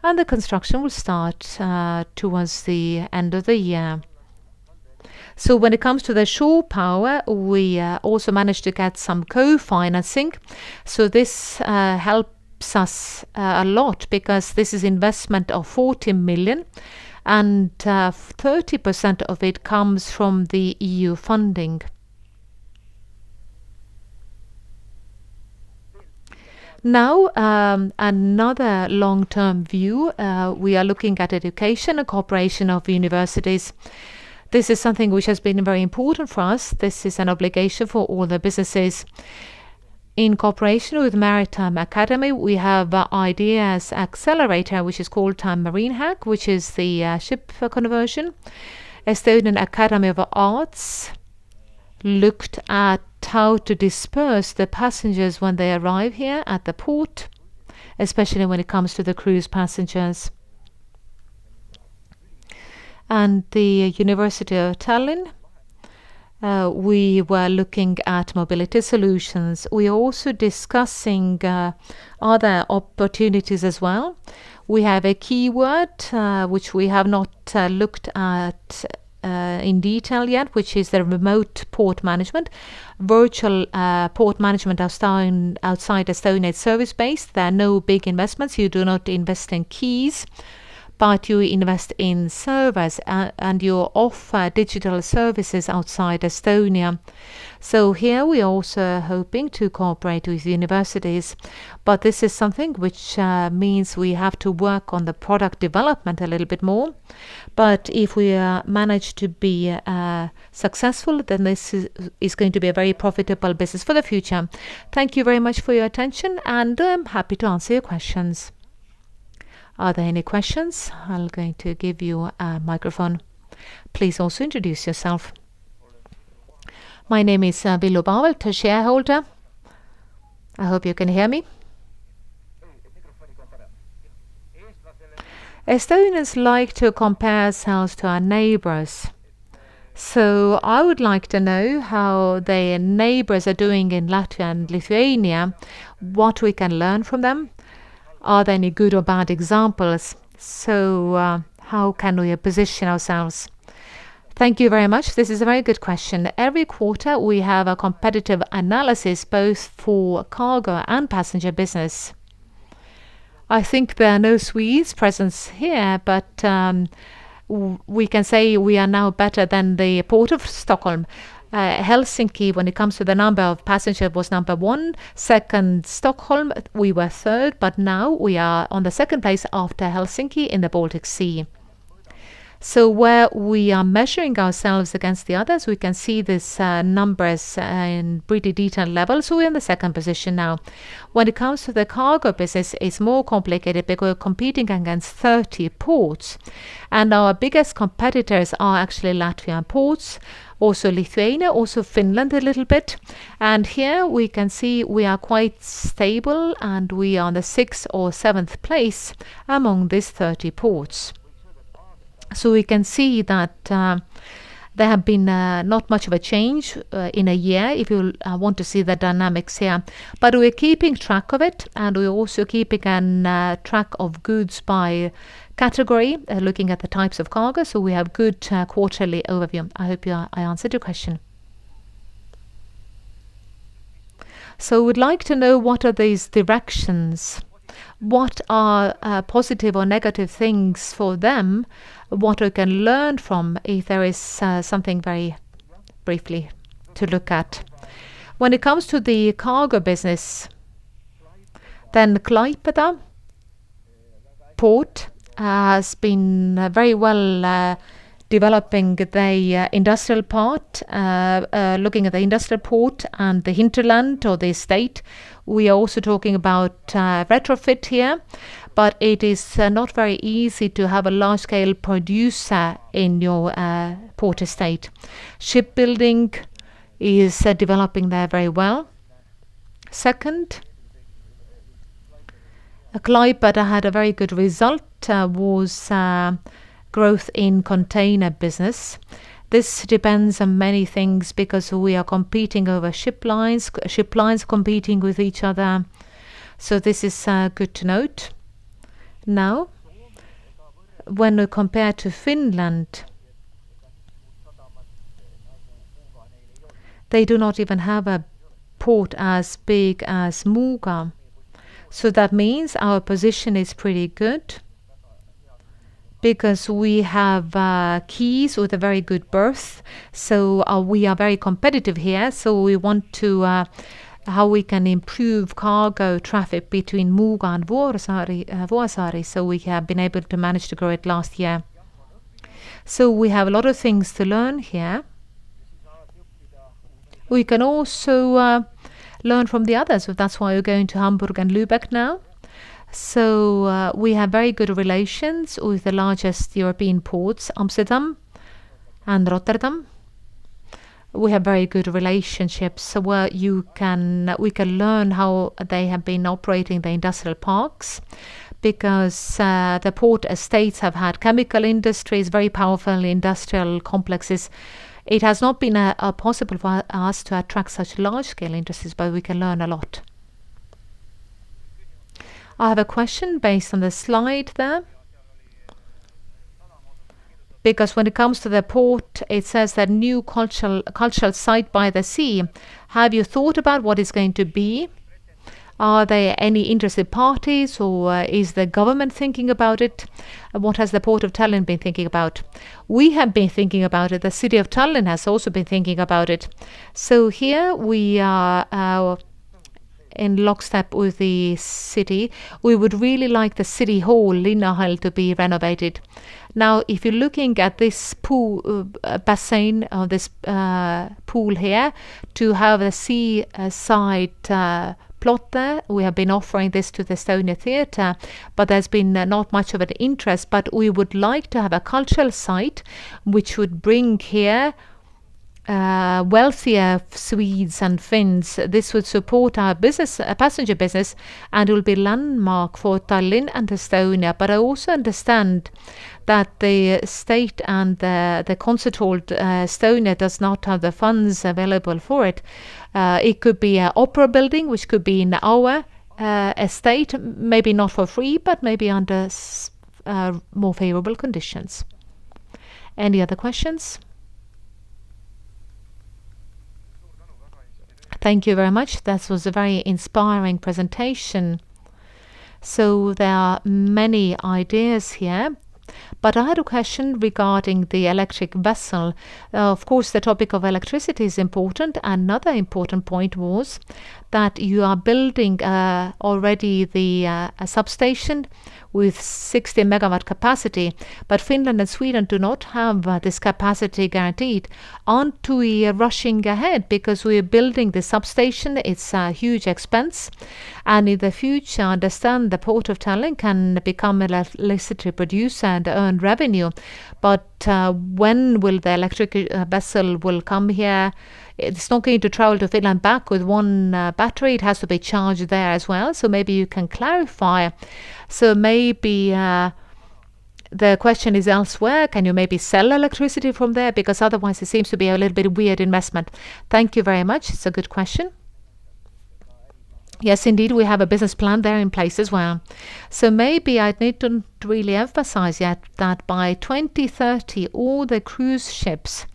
and the construction will start towards the end of the year. When it comes to the shore power, we also managed to get some co-financing. This helps us a lot because this is investment of 40 million and 30% of it comes from the EU funding. Another long-term view, we are looking at education and cooperation of universities. This is something which has been very important for us. This is an obligation for all the businesses. In cooperation with Maritime Academy, we have ideas accelerator, which is called TalTech MarineHäkk, which is the ship for conversion. Estonian Academy of Arts looked at how to disperse the passengers when they arrive here at the port, especially when it comes to the cruise passengers. Tallinn University, we were looking at mobility solutions. We are also discussing other opportunities as well. We have a keyword, which we have not looked at in detail yet, which is the remote port management. Virtual port management outside Estonia service-based. There are no big investments. You do not invest in quays, but you invest in service and you offer digital services outside Estonia. Here, we are also hoping to cooperate with universities, but this is something which means we have to work on the product development a little bit more. If we manage to be successful, then this is going to be a very profitable business for the future. Thank you very much for your attention, and I am happy to answer your questions. Are there any questions? I am going to give you a microphone. Please also introduce yourself. My name is Villu Paevert, a shareholder. I hope you can hear me. Yes. Estonians like to compare ourselves to our neighbors. I would like to know how the neighbors are doing in Latvia and Lithuania, what we can learn from them. Are there any good or bad examples? How can we position ourselves? Thank you very much. This is a very good question. Every quarter, we have a competitive analysis both for cargo and passenger business. I think there are no Swedes present here, but we can say we are now better than the Ports of Stockholm. Port of Helsinki, when it comes to the number of passenger, was number one. Second, Ports of Stockholm. We were third, but now we are on the second place after Port of Helsinki in the Baltic Sea. Where we are measuring ourselves against the others, we can see these numbers in pretty detailed levels. We're in the second position now. When it comes to the cargo business, it's more complicated because we're competing against 30 ports, and our biggest competitors are actually Latvian ports, also Lithuania, also Finland a little bit. Here we can see we are quite stable, and we are on the sixth or seventh place among these 30 ports. We can see that there have been not much of a change in a year, if you want to see the dynamics here. We're keeping track of it, and we're also keeping an track of goods by category, looking at the types of cargo, so we have good quarterly overview. I hope I answered your question. We'd like to know what are these directions, what are positive or negative things for them, what we can learn from if there is something very briefly to look at. When it comes to the cargo business, Port of Klaipėda has been very well developing the industrial part, looking at the industrial port and the hinterland or the estate. We are also talking about retrofit here, but it is not very easy to have a large-scale producer in your port estate. Shipbuilding is developing there very well. Second, Port of Klaipėda had a very good result, was growth in container business. This depends on many things because we are competing over ship lines, ship lines competing with each other, this is good to note. Now, when we compare to Finland, they do not even have a port as big as Muuga. That means our position is pretty good because we have quays with a very good berth. We are very competitive here, we want to how we can improve cargo traffic between Muuga and Vuosaari, we have been able to manage to grow it last year. We have a lot of things to learn here. We can also learn from the others, that's why we're going to Hamburg and Lübeck now. We have very good relations with the largest European ports, Amsterdam and Rotterdam. We have very good relationships where you can, we can learn how they have been operating the industrial parks because the port estates have had chemical industries, very powerful industrial complexes. It has not been possible for us to attract such large-scale industries, but we can learn a lot. I have a question based on the slide there. When it comes to the port, it says that new cultural site by the sea. Have you thought about what it's going to be? Are there any interested parties, or is the government thinking about it? What has the Port of Tallinn been thinking about? We have been thinking about it. The City of Tallinn has also been thinking about it. Here we are in lockstep with the city. We would really like the city hall, Linnahall, to be renovated. Now, if you're looking at this basin or this pool here, to have a seaside plot there, we have been offering this to the Estonia Theatre, but there's been not much of an interest. We would like to have a cultural site which would bring here wealthier Swedes and Finns. This would support our business, passenger business, and it will be landmark for Tallinn and Estonia. I also understand that the state and the concert hall, Estonia, does not have the funds available for it. It could be an opera building, which could be in our state, maybe not for free, but maybe under more favorable conditions. Any other questions? Thank you very much. That was a very inspiring presentation. There are many ideas here, but I had a question regarding the electric vessel. Of course, the topic of electricity is important. Another important point was that you are building already the substation with 60MW capacity, but Finland and Sweden do not have this capacity guaranteed. Aren't we rushing ahead because we're building the substation, it's a huge expense, and in the future, I understand the Port of Tallinn can become electricity producer and earn revenue? When will the electric vessel come here? It's not going to travel to Finland back with one battery. It has to be charged there as well. Maybe you can clarify. Maybe the question is elsewhere. Can you maybe sell electricity from there? Otherwise it seems to be a little bit weird investment. Thank you very much. It's a good question. Yes, indeed. We have a business plan there in place as well. Maybe I didn't really emphasize yet that by 2030 all the cruise ships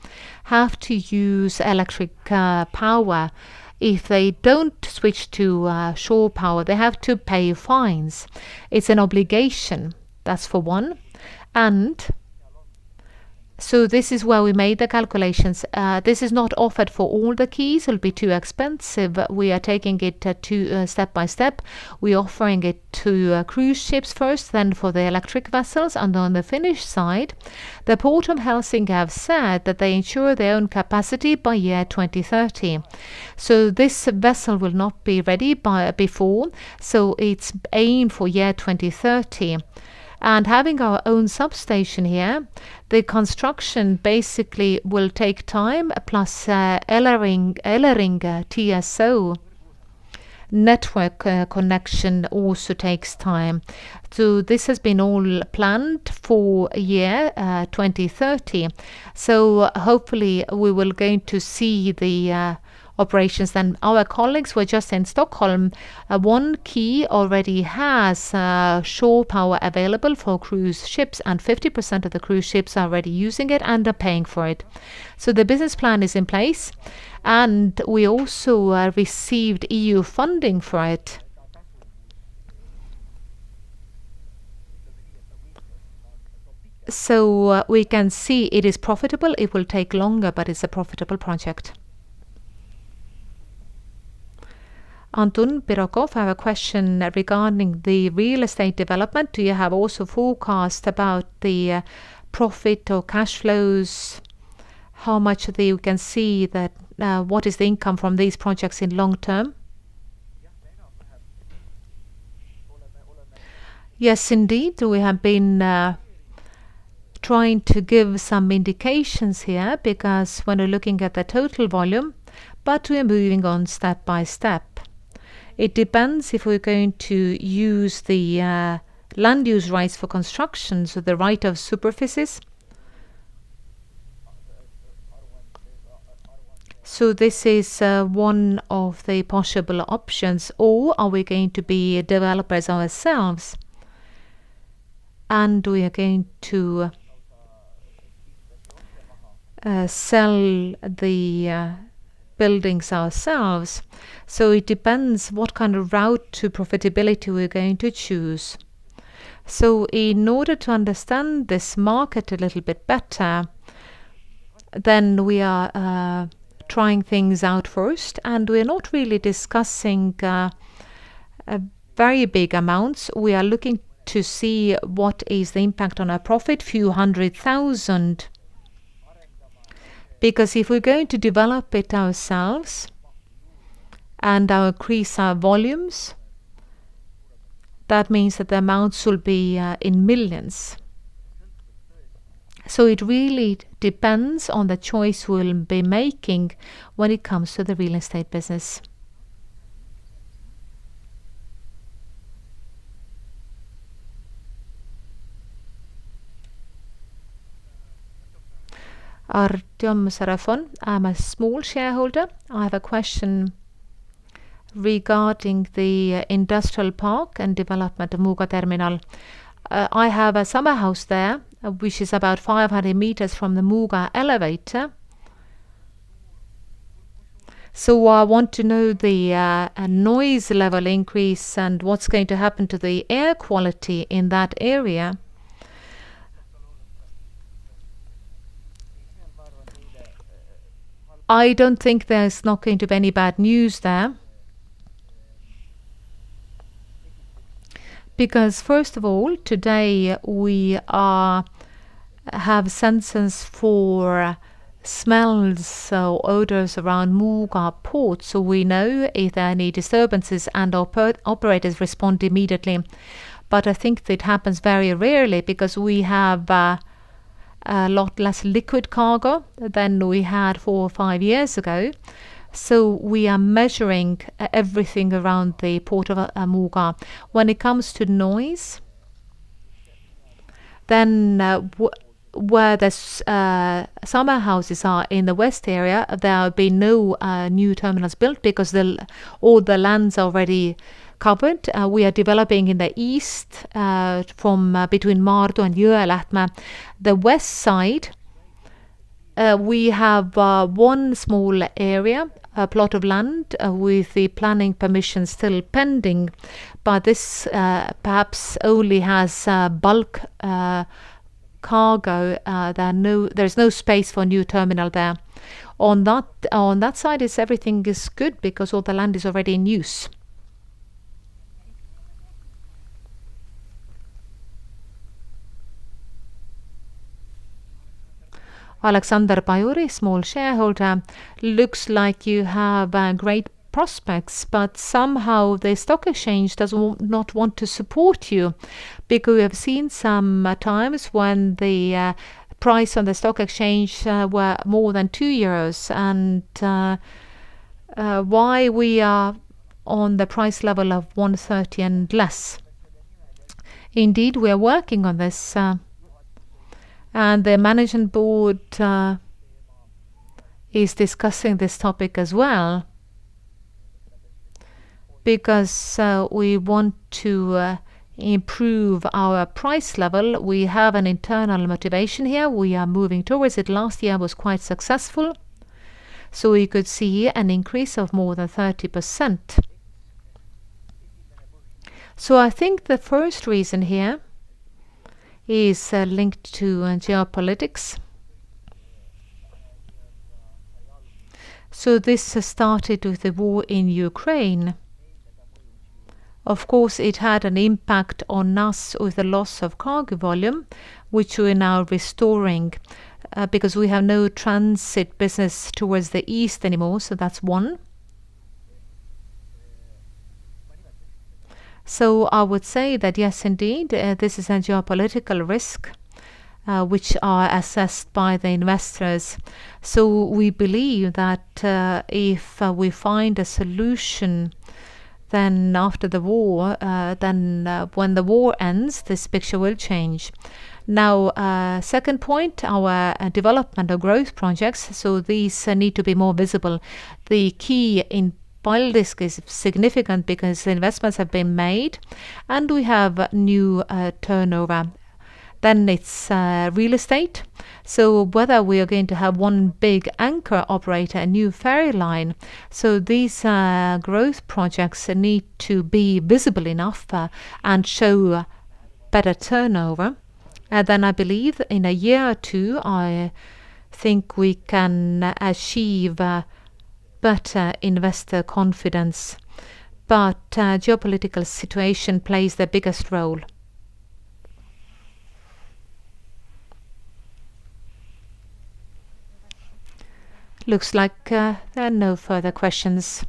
have to use electric power. If they don't switch to shore power, they have to pay fines. It's an obligation. That's for one, this is where we made the calculations. This is not offered for all the quays. It'll be too expensive. We are taking it step by step. We're offering it to cruise ships first, then for the electric vessels. On the Finnish side, the Port of Helsinki have said that they ensure their own capacity by year 2030. This vessel will not be ready by before, its aim for year 2030. Having our own substation here, the construction basically will take time, plus Elering TSO network connection also takes time. This has been all planned for year 2030. Hopefully we will going to see the operations then. Our colleagues were just in Stockholm. One quay already has shore power available for cruise ships, and 50% of the cruise ships are already using it and are paying for it. The business plan is in place, and we also received EU funding for it. We can see it is profitable. It will take longer, but it's a profitable project. Anton Bõrikov, I have a question regarding the real estate development. Do you have also forecast about the profit or cash flows? How much do you can see that, what is the income from these projects in long term? Yes, indeed. We have been trying to give some indications here because when we're looking at the total volume, we are moving on step by step. It depends if we're going to use the land use rights for construction, so the right of superficies. This is one of the possible options, or are we going to be developers ourselves, and we are going to sell the buildings ourselves. It depends what kind of route to profitability we're going to choose. In order to understand this market a little bit better, then we are trying things out first, and we're not really discussing very big amounts. We are looking to see what is the impact on our profit, few hundred thousands. Because if we're going to develop it ourselves and increase our volumes, that means that the amounts will be in millions. It really depends on the choice we'll be making when it comes to the real estate business. Artjom Serafonov. I'm a small shareholder. I have a question regarding the industrial park and development of Muuga Terminaal. I have a summer house there, which is about 500 meters from the Muuga Grain Terminaal. I want to know the noise level increase and what's going to happen to the air quality in that area. I don't think there's not going to be any bad news there. First of all, today we have sensors for smells or odors around Muuga port, so we know if there are any disturbances, and our port operators respond immediately. I think it happens very rarely because we have a lot less liquid cargo than we had four or five years ago. We are measuring everything around the port of Muuga. When it comes to noise, where there's summer houses are in the west area, there will be no new terminals built because all the land's already covered. We are developing in the east, from between Maardu and Jõelähtme. The west side, we have one small area, a plot of land, with the planning permission still pending. This perhaps only has bulk cargo. There's no space for new terminal there. On that side everything is good because all the land is already in use. Aleksander Pajuri, small shareholder. Looks like you have great prospects, but somehow the stock exchange does not want to support you because we have seen some times when the price on the stock exchange were more than 2 euros and why we are on the price level of 1.30 and less? Indeed, we are working on this, and the management board is discussing this topic as well because we want to improve our price level. We have an internal motivation here. We are moving towards it. Last year was quite successful, we could see an increase of more than 30%. I think the first reason here is linked to geopolitics. This has started with the war in Ukraine. Of course, it had an impact on us with the loss of cargo volume, which we are now restoring, because we have no transit business towards the east anymore. That's one. I would say that yes, indeed, this is a geopolitical risk, which are assessed by the investors. We believe that if we find a solution, then after the war, then when the war ends, this picture will change. Second point, our development or growth projects, these need to be more visible. The quay in Paldiski is significant because the investments have been made and we have new turnover. It's real estate. Whether we are going to have one big anchor operator, a new ferry line. These growth projects need to be visible enough and show better turnover. I believe in a year or two, I think we can achieve better investor confidence. Geopolitical situation plays the biggest role. Looks like there are no further questions.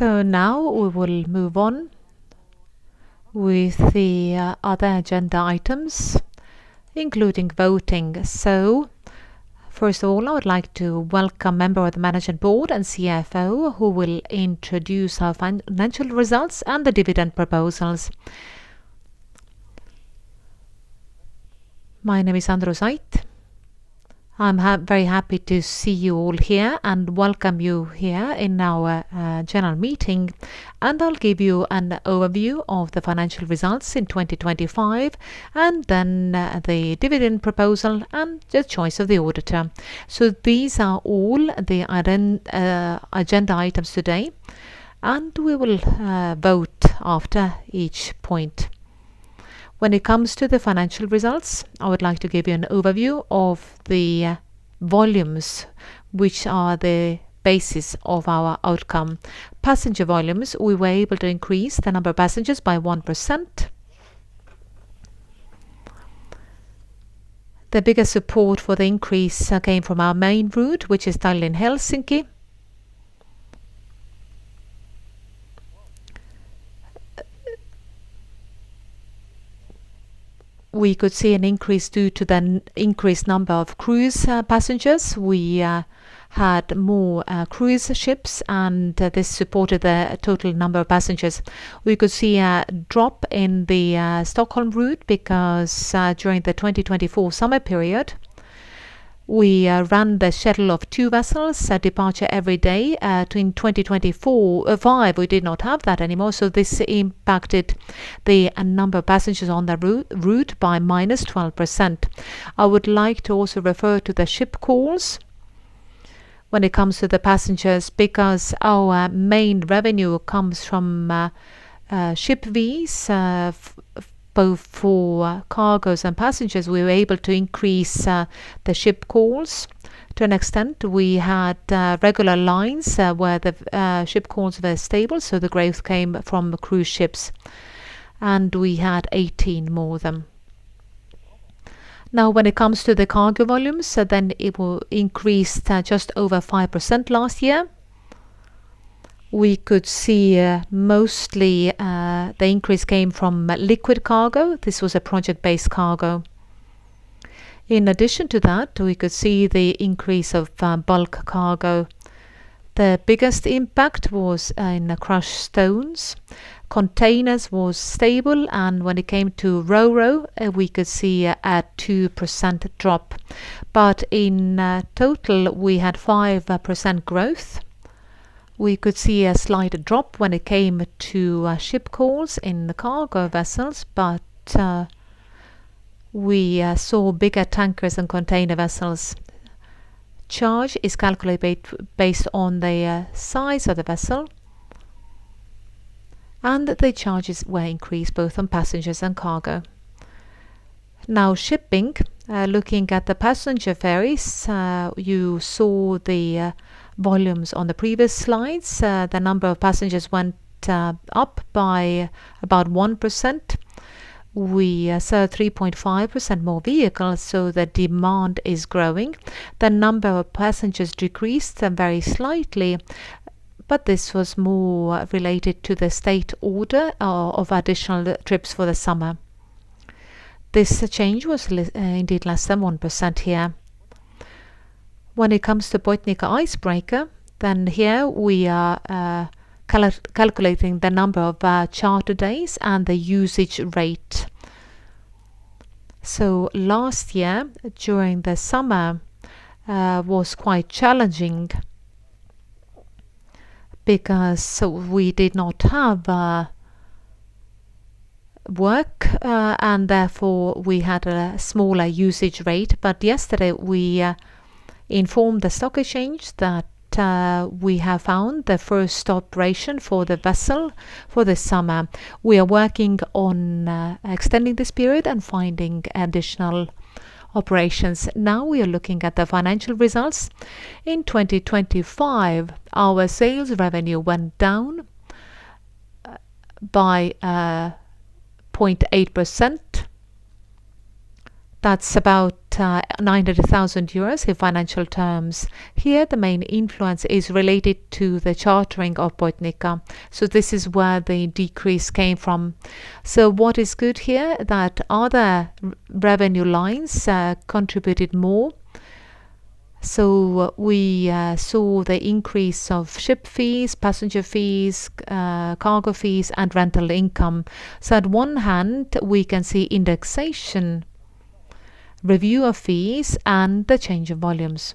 Now we will move on with the other agenda items, including voting. First of all, I would like to welcome member of the management board and CFO, who will introduce our financial results and the dividend proposals. My name is Andrus Ait. I'm very happy to see you all here and welcome you here in our general meeting. I'll give you an overview of the financial results in 2025 and then the dividend proposal and the choice of the auditor. These are all the agenda items today. We will vote after each point. When it comes to the financial results, I would like to give you an overview of the volumes, which are the basis of our outcome. Passenger volumes, we were able to increase the number of passengers by 1%. The biggest support for the increase came from our main route, which is Tallinn-Helsinki. We could see an increase due to the increased number of cruise passengers. We had more cruise ships and this supported the total number of passengers. We could see a drop in the Stockholm route because during the 2024 summer period, we ran the shuttle of two vessels, a departure every day. Between 2024, 2025, we did not have that anymore, so this impacted the number of passengers on the route by -12%. I would like to also refer to the ship calls when it comes to the passengers because our main revenue comes from ship fees, both for cargoes and passengers. We were able to increase the ship calls to an extent. We had regular lines where the ship calls were stable, so the growth came from cruise ships, and we had 18 more of them. When it comes to the cargo volumes, it will increase to just over 5% last year. We could see, mostly, the increase came from liquid cargo. This was a project-based cargo. In addition to that, we could see the increase of bulk cargo. The biggest impact was in the crushed stones. Containers was stable, when it came to RoRo, we could see a 2% drop. In total, we had 5% growth. We could see a slight drop when it came to ship calls in the cargo vessels, we saw bigger tankers and container vessels. Charge is calculated based on the size of the vessel. The charges were increased both on passengers and cargo. Shipping. Looking at the passenger ferries, you saw the volumes on the previous slides. The number of passengers went up by about 1%. We served 3.5% more vehicles, so the demand is growing. The number of passengers decreased very slightly, but this was more related to the state order of additional trips for the summer. This change was indeed less than 1% here. When it comes to Botnica icebreaker, here we are calculating the number of charter days and the usage rate. Last year, during the summer, was quite challenging because we did not have work, and therefore we had a smaller usage rate. Yesterday, we informed the stock exchange that we have found the first operation for the vessel for the summer. We are working on extending this period and finding additional operations. We are looking at the financial results. In 2025, our sales revenue went down by 0.8%. That's about 90,000 euros in financial terms. Here, the main influence is related to the chartering of Botnica. This is where the decrease came from. What is good here that other revenue lines contributed more. We saw the increase of ship fees, passenger fees, cargo fees, and rental income. At one hand, we can see indexation, review of fees, and the change of volumes.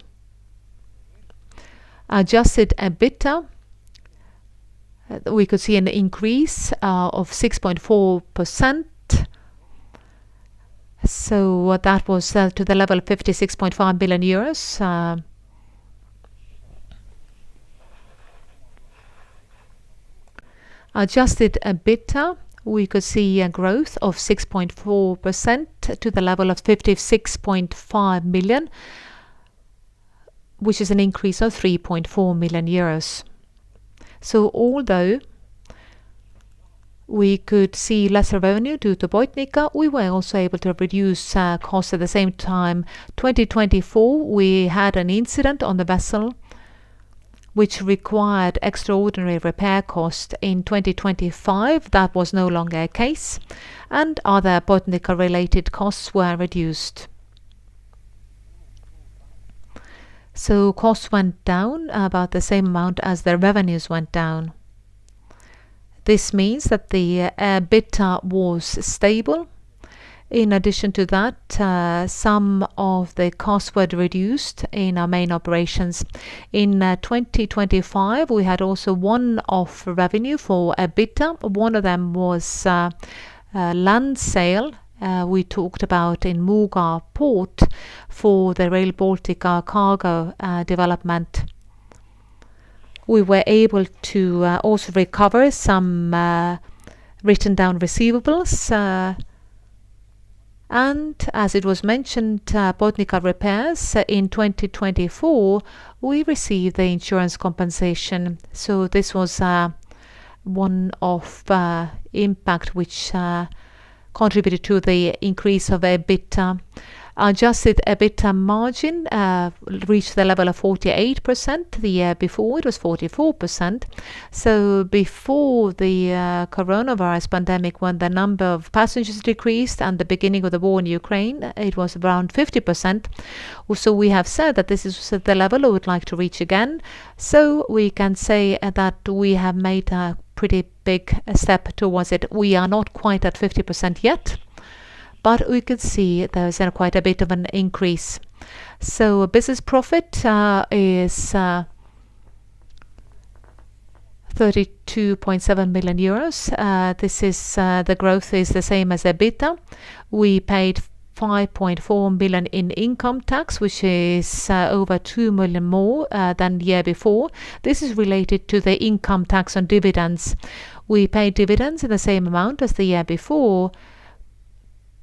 Adjusted EBITDA, we could see an increase of 6.4%. What that was, to the level of 56.5 billion euros, Adjusted EBITDA, we could see a growth of 6.4% to the level of 56.5 million, which is an increase of 3.4 million euros. Although we could see lesser revenue due to Botnica, we were also able to reduce costs at the same time. 2024, we had an incident on the vessel which required extraordinary repair costs. In 2025, that was no longer a case, and other Botnica-related costs were reduced. Costs went down about the same amount as the revenues went down. This means that the EBITDA was stable. In addition to that, some of the costs were reduced in our main operations. In 2025, we had also one-off revenue for EBITDA. One of them was a land sale we talked about in Muuga Port for the Rail Baltic cargo development. We were able to also recover some written-down receivables, and as it was mentioned, Botnica repairs. In 2024, we received the insurance compensation, so this was one of impact which contributed to the increase of EBITDA. Adjusted EBITDA margin reached the level of 48%. The year before, it was 44%. Before the coronavirus pandemic, when the number of passengers decreased and the beginning of the war in Ukraine, it was around 50%. We have said that this is the level we would like to reach again. We can say that we have made a pretty big step towards it. We are not quite at 50% yet, we could see there's quite a bit of an increase. Business profit is 32.7 million euros. This is the growth is the same as EBITDA. We paid 5.4 million in income tax, which is over 2 million more than the year before. This is related to the income tax on dividends. We paid dividends in the same amount as the year before,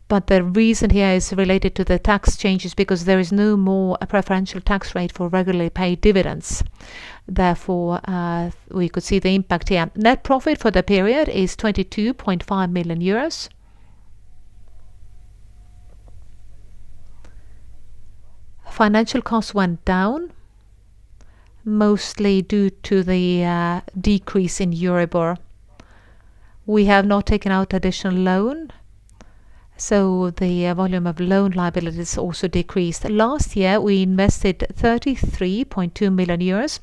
the reason here is related to the tax changes, because there is no more a preferential tax rate for regularly paid dividends. We could see the impact here. Net profit for the period is 22.5 million euros. Financial costs went down, mostly due to the decrease in EURIBOR. We have not taken out additional loan. The volume of loan liabilities also decreased. Last year, we invested 33.2 million euros.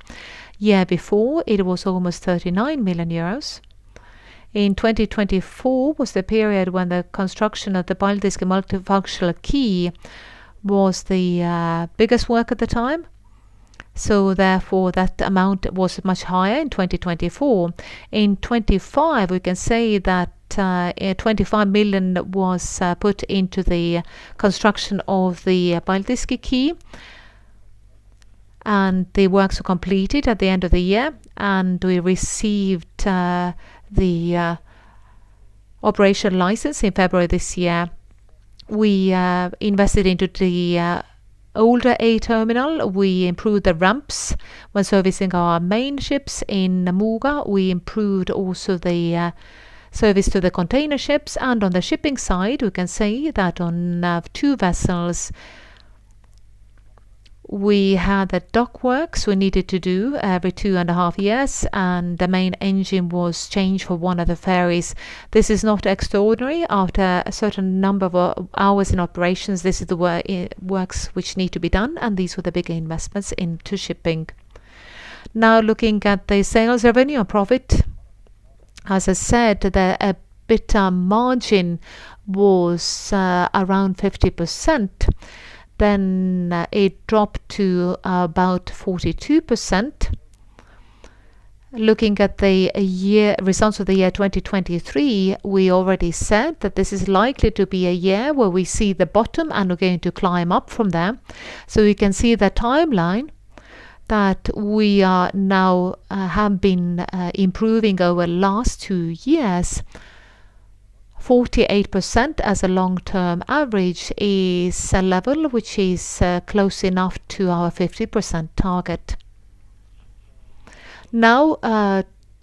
Year before, it was almost 39 million euros. In 2024 was the period when the construction of the Paldiski multifunctional quay was the biggest work at the time. Therefore, that amount was much higher in 2024. In 2025, we can say that 25 million was put into the construction of the Paldiski quay, and the works were completed at the end of the year, and we received the operation license in February this year. We invested into the older A terminal. We improved the ramps when servicing our main ships in Muuga. We improved also the service to the container ships. On the shipping side, we can say that on two vessels, we had the dock works we needed to do every 2.5 years, and the main engine was changed for one of the ferries. This is not extraordinary. After a certain number of hours in operations, this is the work which need to be done, and these were the big investments into shipping. Looking at the sales revenue and profit. As I said, the EBITDA margin was around 50%, then it dropped to about 42%. Looking at the results of the year 2023, we already said that this is likely to be a year where we see the bottom, and we're going to climb up from there. We can see the timeline that we now have been improving over last two years. 48% as a long-term average is a level which is close enough to our 50% target.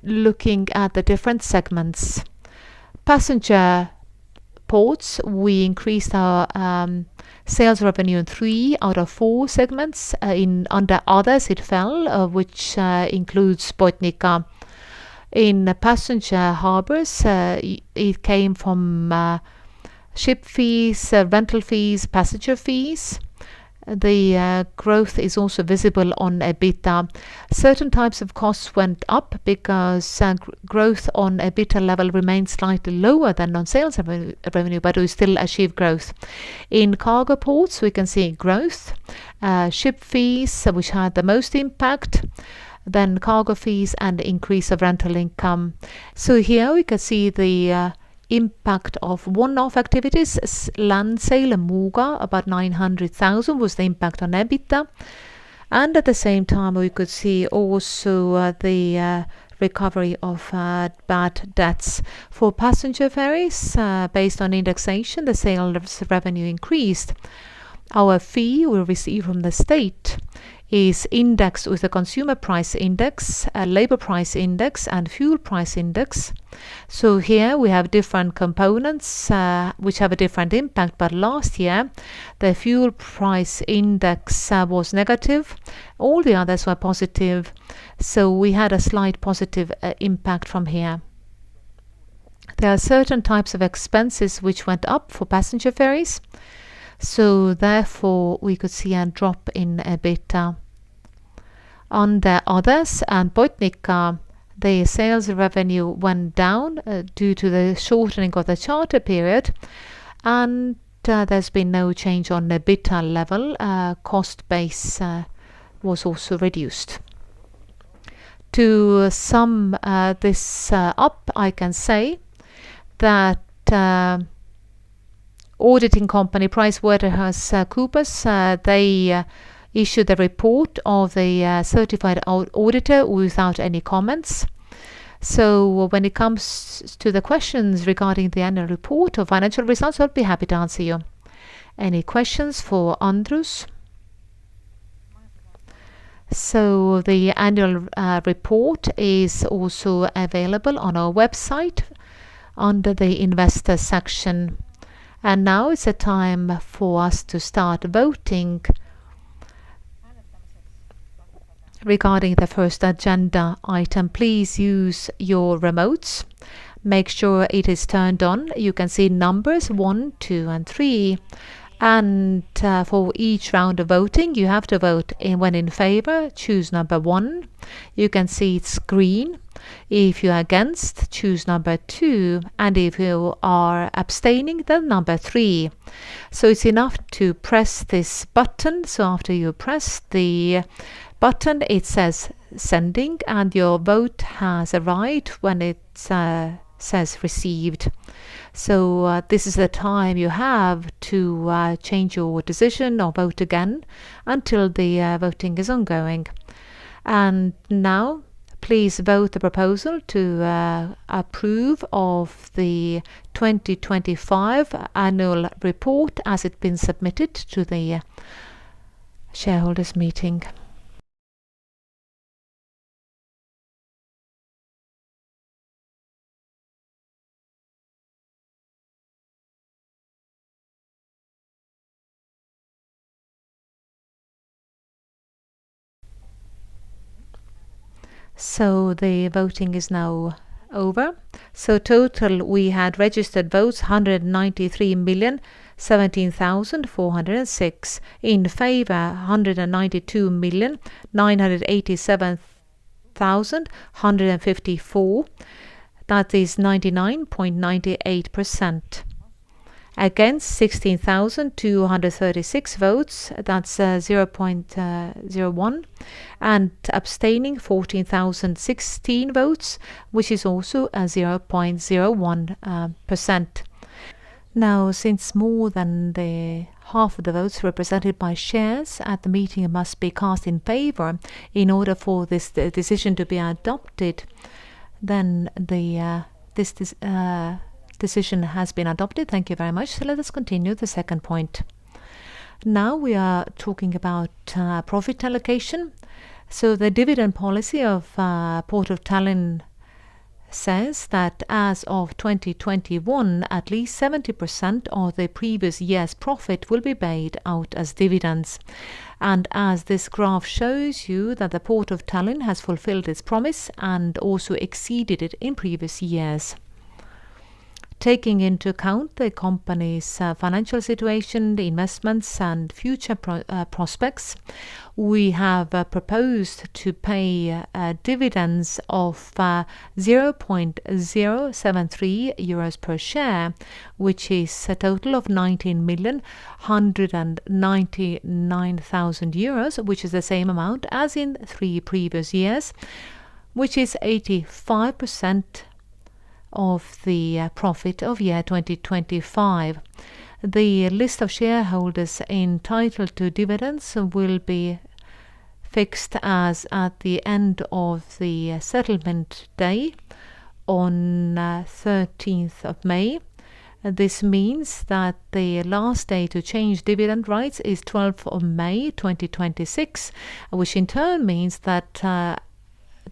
Looking at the different segments. Passenger ports, we increased our sales revenue in three out of four segments. Under others, it fell, which includes Botnica. In passenger harbors, it came from ship fees, rental fees, passenger fees. The growth is also visible on EBITDA. Certain types of costs went up because growth on EBITDA level remains slightly lower than on sales revenue, but we still achieve growth. In cargo ports, we can see growth. Ship fees, which had the most impact. Cargo fees and increase of rental income. Here we can see the impact of one-off activities. Land sale in Muuga, about 900,000 was the impact on EBITDA. At the same time, we could see also the recovery of bad debts. For passenger ferries, based on indexation, the sales revenue increased. Our fee we receive from the state is indexed with the consumer price index, labor price index, and fuel price index. Here we have different components, which have a different impact, but last year, the fuel price index was negative. All the others were positive, so we had a slight positive impact from here. There are certain types of expenses which went up for passenger ferries, so therefore, we could see a drop in EBITDA. On the others and Botnica, the sales revenue went down due to the shortening of the charter period, and there's been no change on EBITDA level. Cost base was also reduced. To sum this up, I can say that auditing company, PricewaterhouseCoopers, they issued a report of the certified auditor without any comments. When it comes to the questions regarding the annual report or financial results, I will be happy to answer you. Any questions for Andrus? The annual report is also available on our website under the Investor section. Now is the time for us to start voting regarding the first agenda item. Please use your remotes. Make sure it is turned on. You can see numbers one, two, and three. For each round of voting, you have to vote. When in favor, choose number one. You can see it's green. If you're against, choose number two. If you are abstaining, then number three. It's enough to press this button. After you press the button, it says, "Sending," and your vote has arrived when it says, "Received." This is the time you have to change your decision or vote again until the voting is ongoing. Now, please vote the proposal to approve of the 2025 annual report as it's been submitted to the shareholders' meeting. The voting is now over. Total, we had registered votes, 193 million 17,406. In favor, 192 million 987,154. That is 99.98%. Against, 16,236 votes. That's 0.01. Abstaining, 14,016 votes, which is also 0.01%. Since more than the half of the votes represented by shares at the meeting must be cast in favor in order for the decision to be adopted, then the decision has been adopted. Thank you very much. Let us continue the second point. We are talking about profit allocation. The dividend policy of Port of Tallinn says that as of 2021, at least 70% of the previous year's profit will be paid out as dividends. As this graph shows you that the Port of Tallinn has fulfilled its promise and also exceeded it in previous years. Taking into account the company's financial situation, the investments, and future prospects, we have proposed to pay dividends of 0.073 euros per share, which is a total of 19,199,000 euros, which is the same amount as in three previous years, which is 85% of the profit of year 2025. The list of shareholders entitled to dividends will be fixed as at the end of the settlement day on May 13. This means that the last day to change dividend rights is May 12, 2026, which in turn means that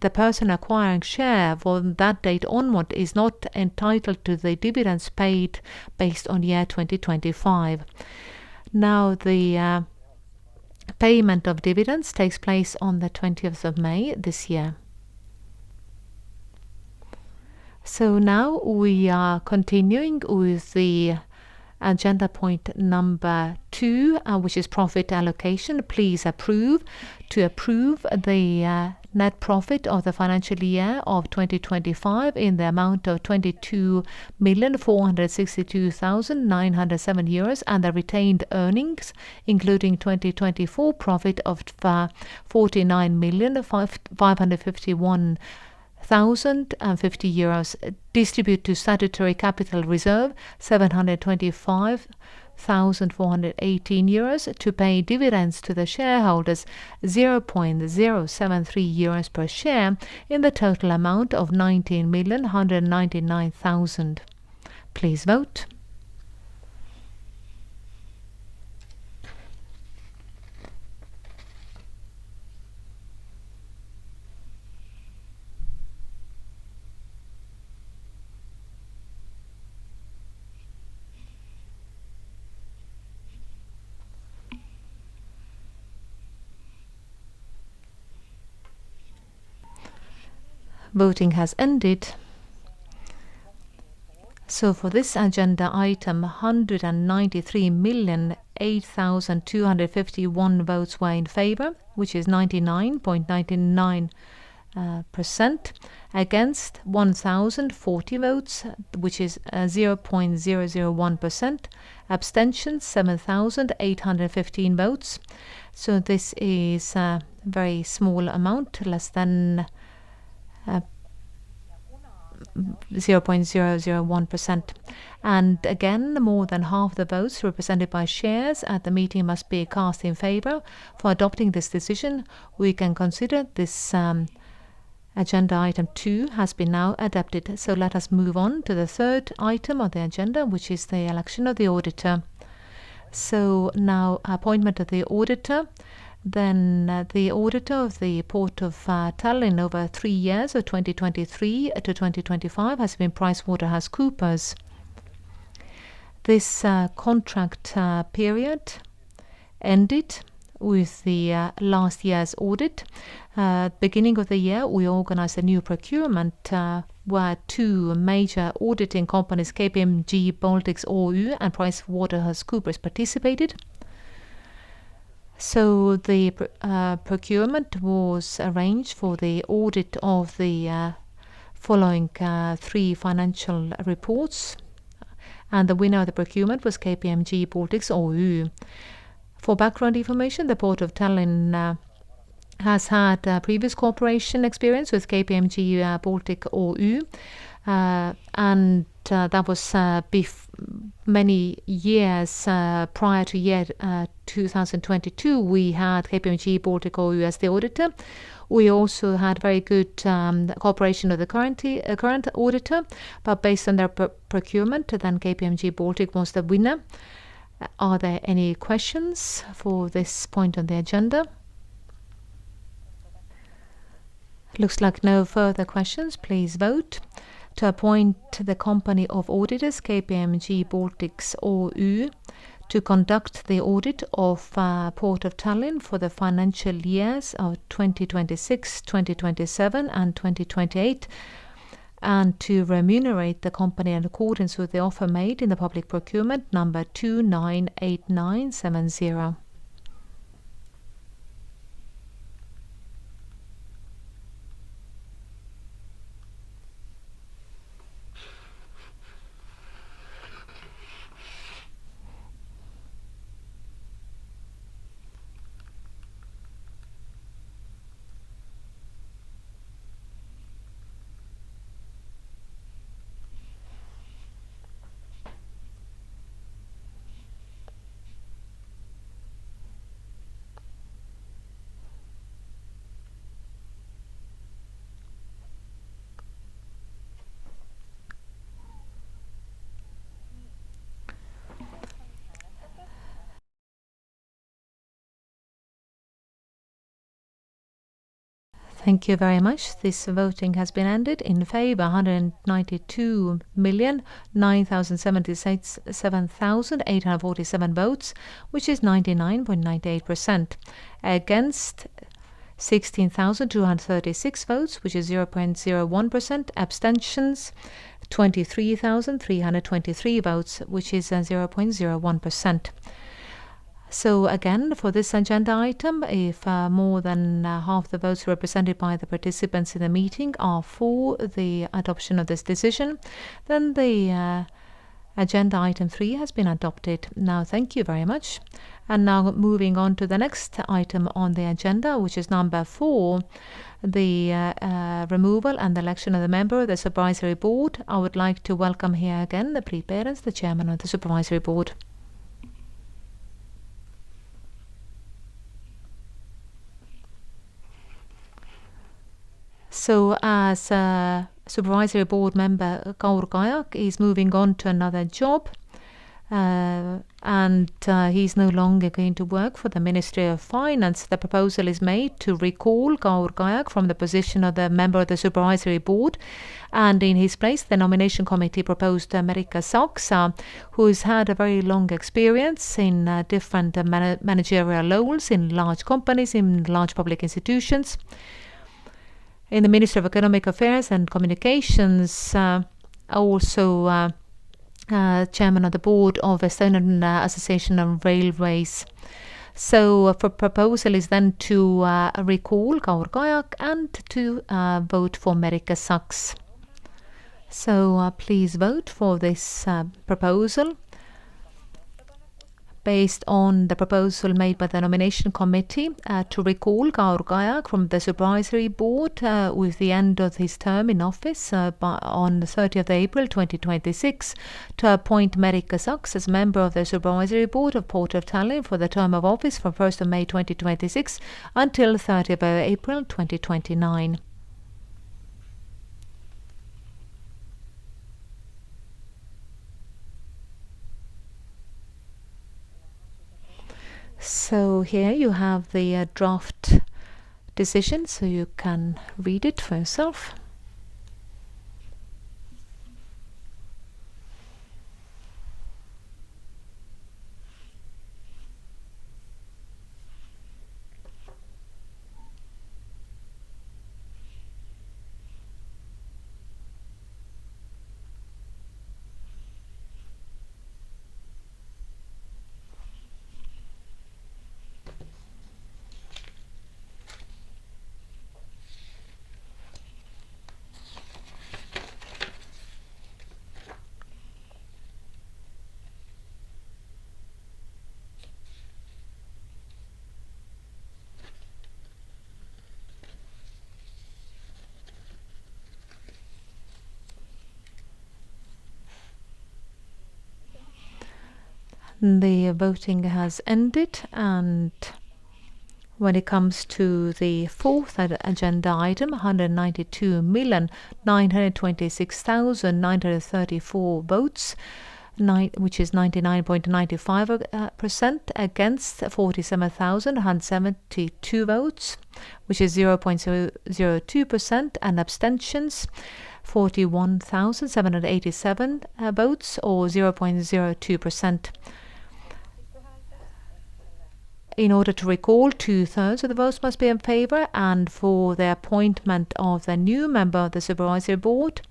the person acquiring share from that date onward is not entitled to the dividends paid based on year 2025. The payment of dividends takes place on May 20 this year. Now we are continuing with the agenda point number two, which is profit allocation. Please approve to approve the net profit of the financial year of 2025 in the amount of 22 million euros 462,907 and the retained earnings, including 2024 profit of 49 million 551,050. Distribute to statutory capital reserve, 725,418 euros to pay dividends to the shareholders 0.073 euros per share in the total amount of 19 million 199,000. Please vote. Voting has ended. For this agenda item, 193,008,251 votes were in favor, which is 99.99%. Against, 1,040 votes, which is 0.001%. Abstention, 7,815 votes. This is a very small amount, less than 0.001%. Again, more than half the votes represented by shares at the meeting must be cast in favor for adopting this decision. We can consider this agenda item two has been now adopted. Let us move on to the third item of the agenda, which is the election of the auditor. Now appointment of the auditor. The auditor of the Port of Tallinn over three years of 2023 to 2025 has been PricewaterhouseCoopers. This contract period ended with the last year's audit. Beginning of the year, we organized a new procurement, where two major auditing companies, KPMG Baltics OÜ and PricewaterhouseCoopers, participated. The procurement was arranged for the audit of the following financial reports, and the winner of the procurement was KPMG Baltics OÜ. For background information, the Port of Tallinn has had a previous cooperation experience with KPMG Baltics OÜ, and that was many years prior to 2022, we had KPMG Baltics OÜ as the auditor. We also had very good cooperation with the current auditor, based on their procurement, KPMG Baltics was the winner. Are there any questions for this point on the agenda? Looks like no further questions. Please vote to appoint the company of auditors, KPMG Baltics OÜ, to conduct the audit of Port of Tallinn for the financial years of 2026, 2027, and 2028, and to remunerate the company in accordance with the offer made in the public procurement number 298970. Thank you very much. This voting has been ended. In favor, 1929,767,847 votes, which is 99.98%. Against, 16,236 votes, which is 0.01%. Abstentions, 23,323 votes, which is 0.01%. Again, for this agenda item, if more than half the votes represented by the participants in the meeting are for the adoption of this decision, then the agenda item 3 has been adopted. Thank you very much. Now moving on to the next item on the agenda, which is number 4, the removal and election of the member of the Supervisory Board. I would like to welcome here again Priit Perens, the Chairman of the Supervisory Board. As Supervisory Board member Kaur Kajak is moving on to another job, and he is no longer going to work for the Ministry of Finance. The proposal is made to recall Kaur Kajak from the position of the member of the Supervisory Board. In his place, the nomination committee proposed Merike Saks, who has had a very long experience in different managerial roles in large companies, in large public institutions, in the Ministry of Economic Affairs and Communications, also Chairman of the Board of Estonian Association of Railways. For proposal is then to recall Kaur Kajak and to vote for Merike Saks. Please vote for this proposal based on the proposal made by the nomination committee to recall Kaur Kajak from the supervisory board with the end of his term in office by on 30th April 2026, to appoint Merike Saks as member of the supervisory board of Port of Tallinn for the term of office from 1st May 2026 until 30th April 2029. Here you have the draft decision. You can read it for yourself. The voting has ended. When it comes to the fourth agenda item, 192,926,934 votes, which is 99.95%. Against, 47,172 votes, which is 0.002%. Abstentions, 41,787 votes, or 0.02%. In order to recall, two-thirds of the votes must be in favor. For the appointment of the new member of the supervisory board,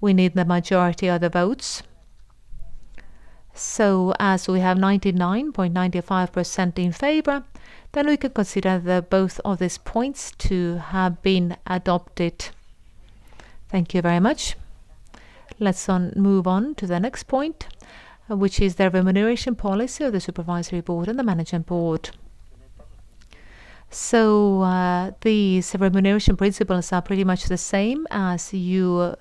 we need the majority of the votes. As we have 99.95% in favor, we could consider the both of these points to have been adopted. Thank you very much. Let's move on to the next point, which is the remuneration policy of the Supervisory Board and the Management Board. These remuneration principles are pretty much the same as you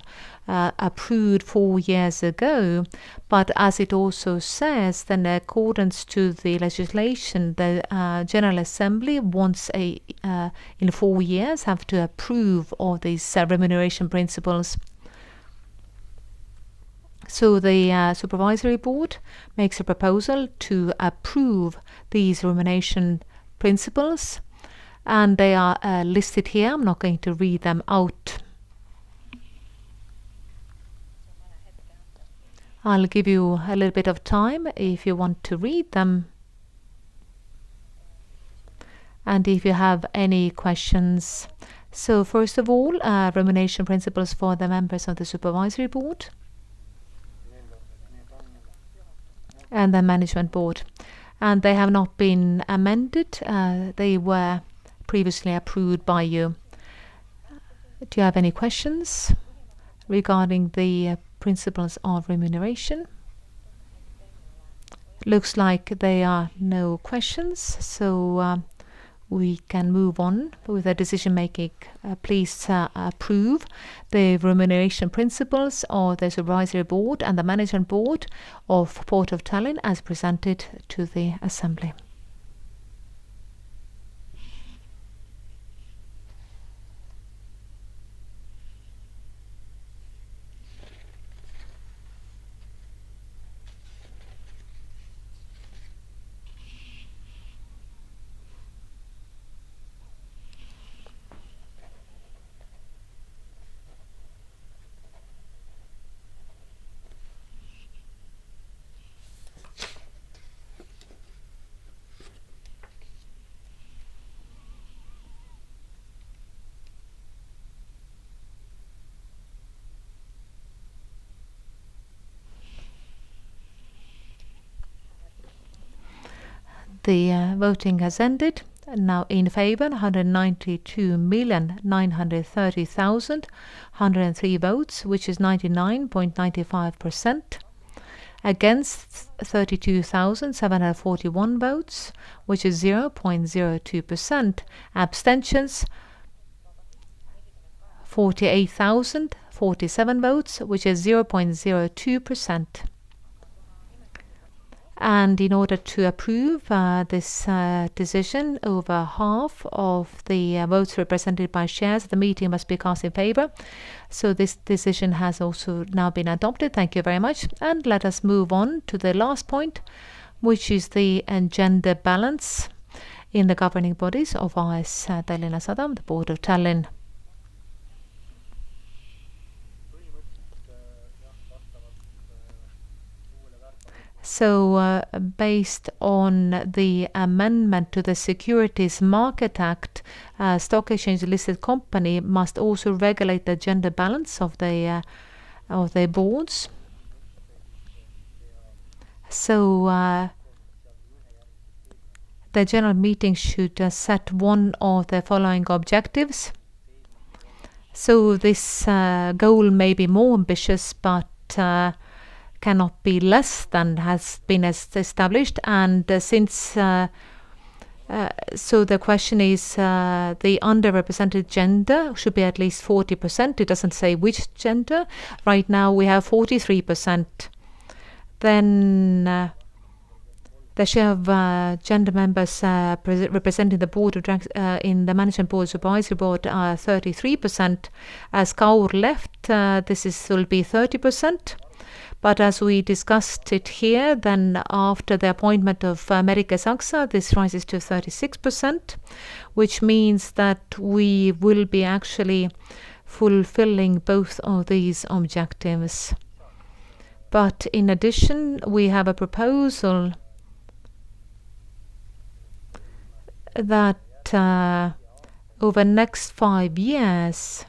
approved four years ago. As it also says, in accordance to the legislation, the General Assembly once in four years have to approve of these remuneration principles. The Supervisory Board makes a proposal to approve these remuneration principles, and they are listed here. I'm not going to read them out. I'll give you a little bit of time if you want to read them and if you have any questions. First of all, remuneration principles for the members of the Supervisory Board and the Management Board. They have not been amended. They were previously approved by you. Do you have any questions regarding the principles of remuneration? Looks like there are no questions. We can move on with the decision-making. Please approve the remuneration principles of the Supervisory Board and the Management Board of Port of Tallinn as presented to the assembly. The voting has ended. In favor, 192,930,103 votes, which is 99.95%. Against, 32,741 votes, which is 0.02%. Abstentions, 48,047 votes, which is 0.02%. In order to approve this decision, over half of the votes represented by shares at the meeting must be cast in favor. This decision has also now been adopted. Thank you very much. Let us move on to the last point, which is the gender balance in the governing bodies of AS Tallinna Sadam, the Board of Tallinn. Based on the amendment to the Securities Market Act, stock exchange-listed company must also regulate the gender balance of their of their boards. The general meeting should set one of the following objectives. This goal may be more ambitious, but cannot be less than has been established. The question is, the underrepresented gender should be at least 40%. It doesn't say which gender. Right now, we have 43%. The share of gender members representing the board of directors in the management board, supervisory board are 33%. As Kaur left, this will be 30%. As we discussed it here, after the appointment of Merike Saks, this rises to 36%, which means that we will be actually fulfilling both of these objectives. In addition, we have a proposal that, over next five years,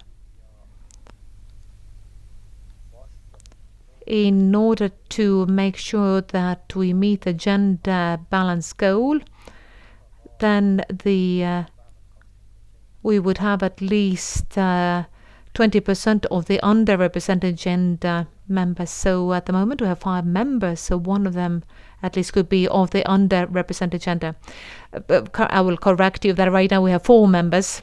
in order to make sure that we meet the gender balance goal, then we would have at least 20% of the underrepresented gender members. At the moment, we have five members. One of them at least could be of the underrepresented gender. I will correct you that right now we have four members.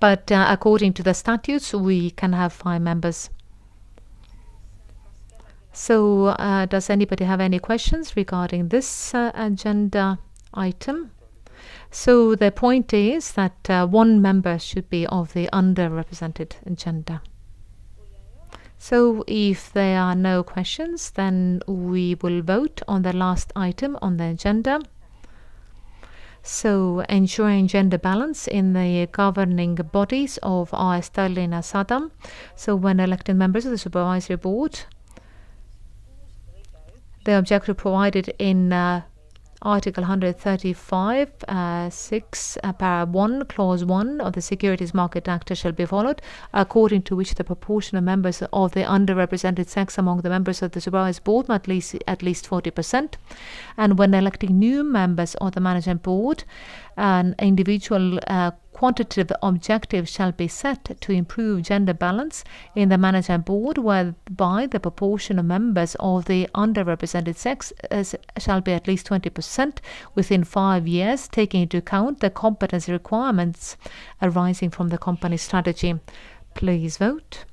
According to the statutes, we can have five members. Does anybody have any questions regarding this agenda item? The point is that, one member should be of the underrepresented gender. If there are no questions, we will vote on the last item on the agenda. Ensuring gender balance in the governing bodies of AS Tallinna Sadam. When electing members of the supervisory board, the objective provided in Article 135, 6, paragraph 1, clause 1 of the Securities Market Act shall be followed, according to which the proportion of members of the underrepresented sex among the members of the supervisory board must at least 40%. When electing new members of the management board, an individual quantitative objective shall be set to improve gender balance in the management board, whereby the proportion of members of the underrepresented sex shall be at least 20% within five years, taking into account the competence requirements arising from the company's strategy. Please vote.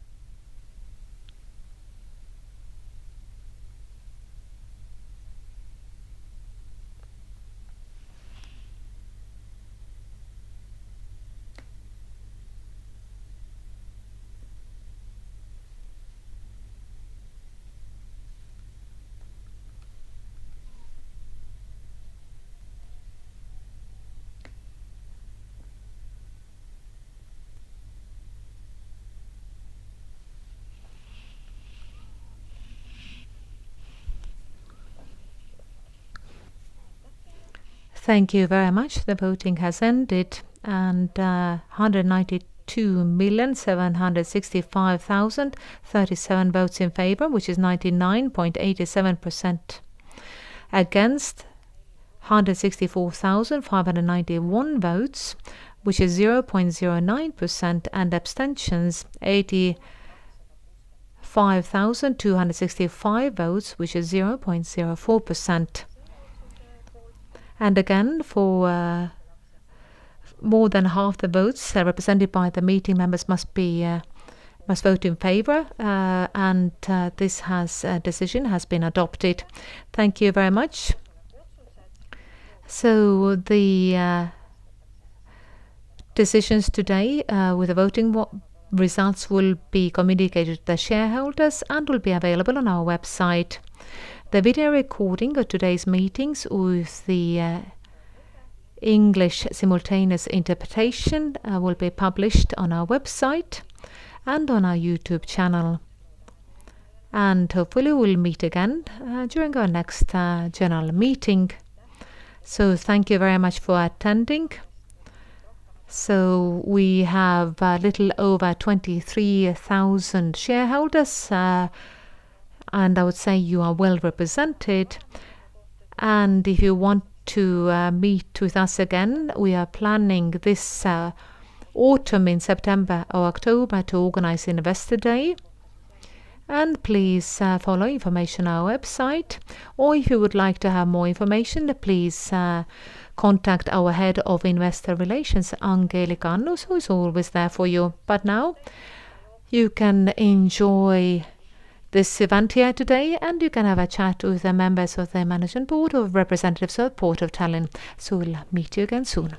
Thank you very much. The voting has ended. 192,765,037 votes in favor, which is 99.87%. Against, 164,591 votes, which is 0.09%. Abstentions 85,265 votes, which is 0.04%. Again, for more than half the votes represented by the meeting members must vote in favor, and the decision has been adopted. Thank you very much. The decisions today with the voting results will be communicated to the shareholders and will be available on our website. The video recording of today's meetings with the English simultaneous interpretation will be published on our website and on our YouTube channel. Hopefully we'll meet again during our next general meeting. Thank you very much for attending. We have a little over 23,000 shareholders, and I would say you are well represented. If you want to meet with us again, we are planning this autumn in September or October to organize Investor Day. Please follow information on our website. If you would like to have more information, please contact our Head of Investor Relations, Angelika Annus, who is always there for you. Now you can enjoy this event here today, and you can have a chat with the members of the management board or representatives of Port of Tallinn. We'll meet you again soon.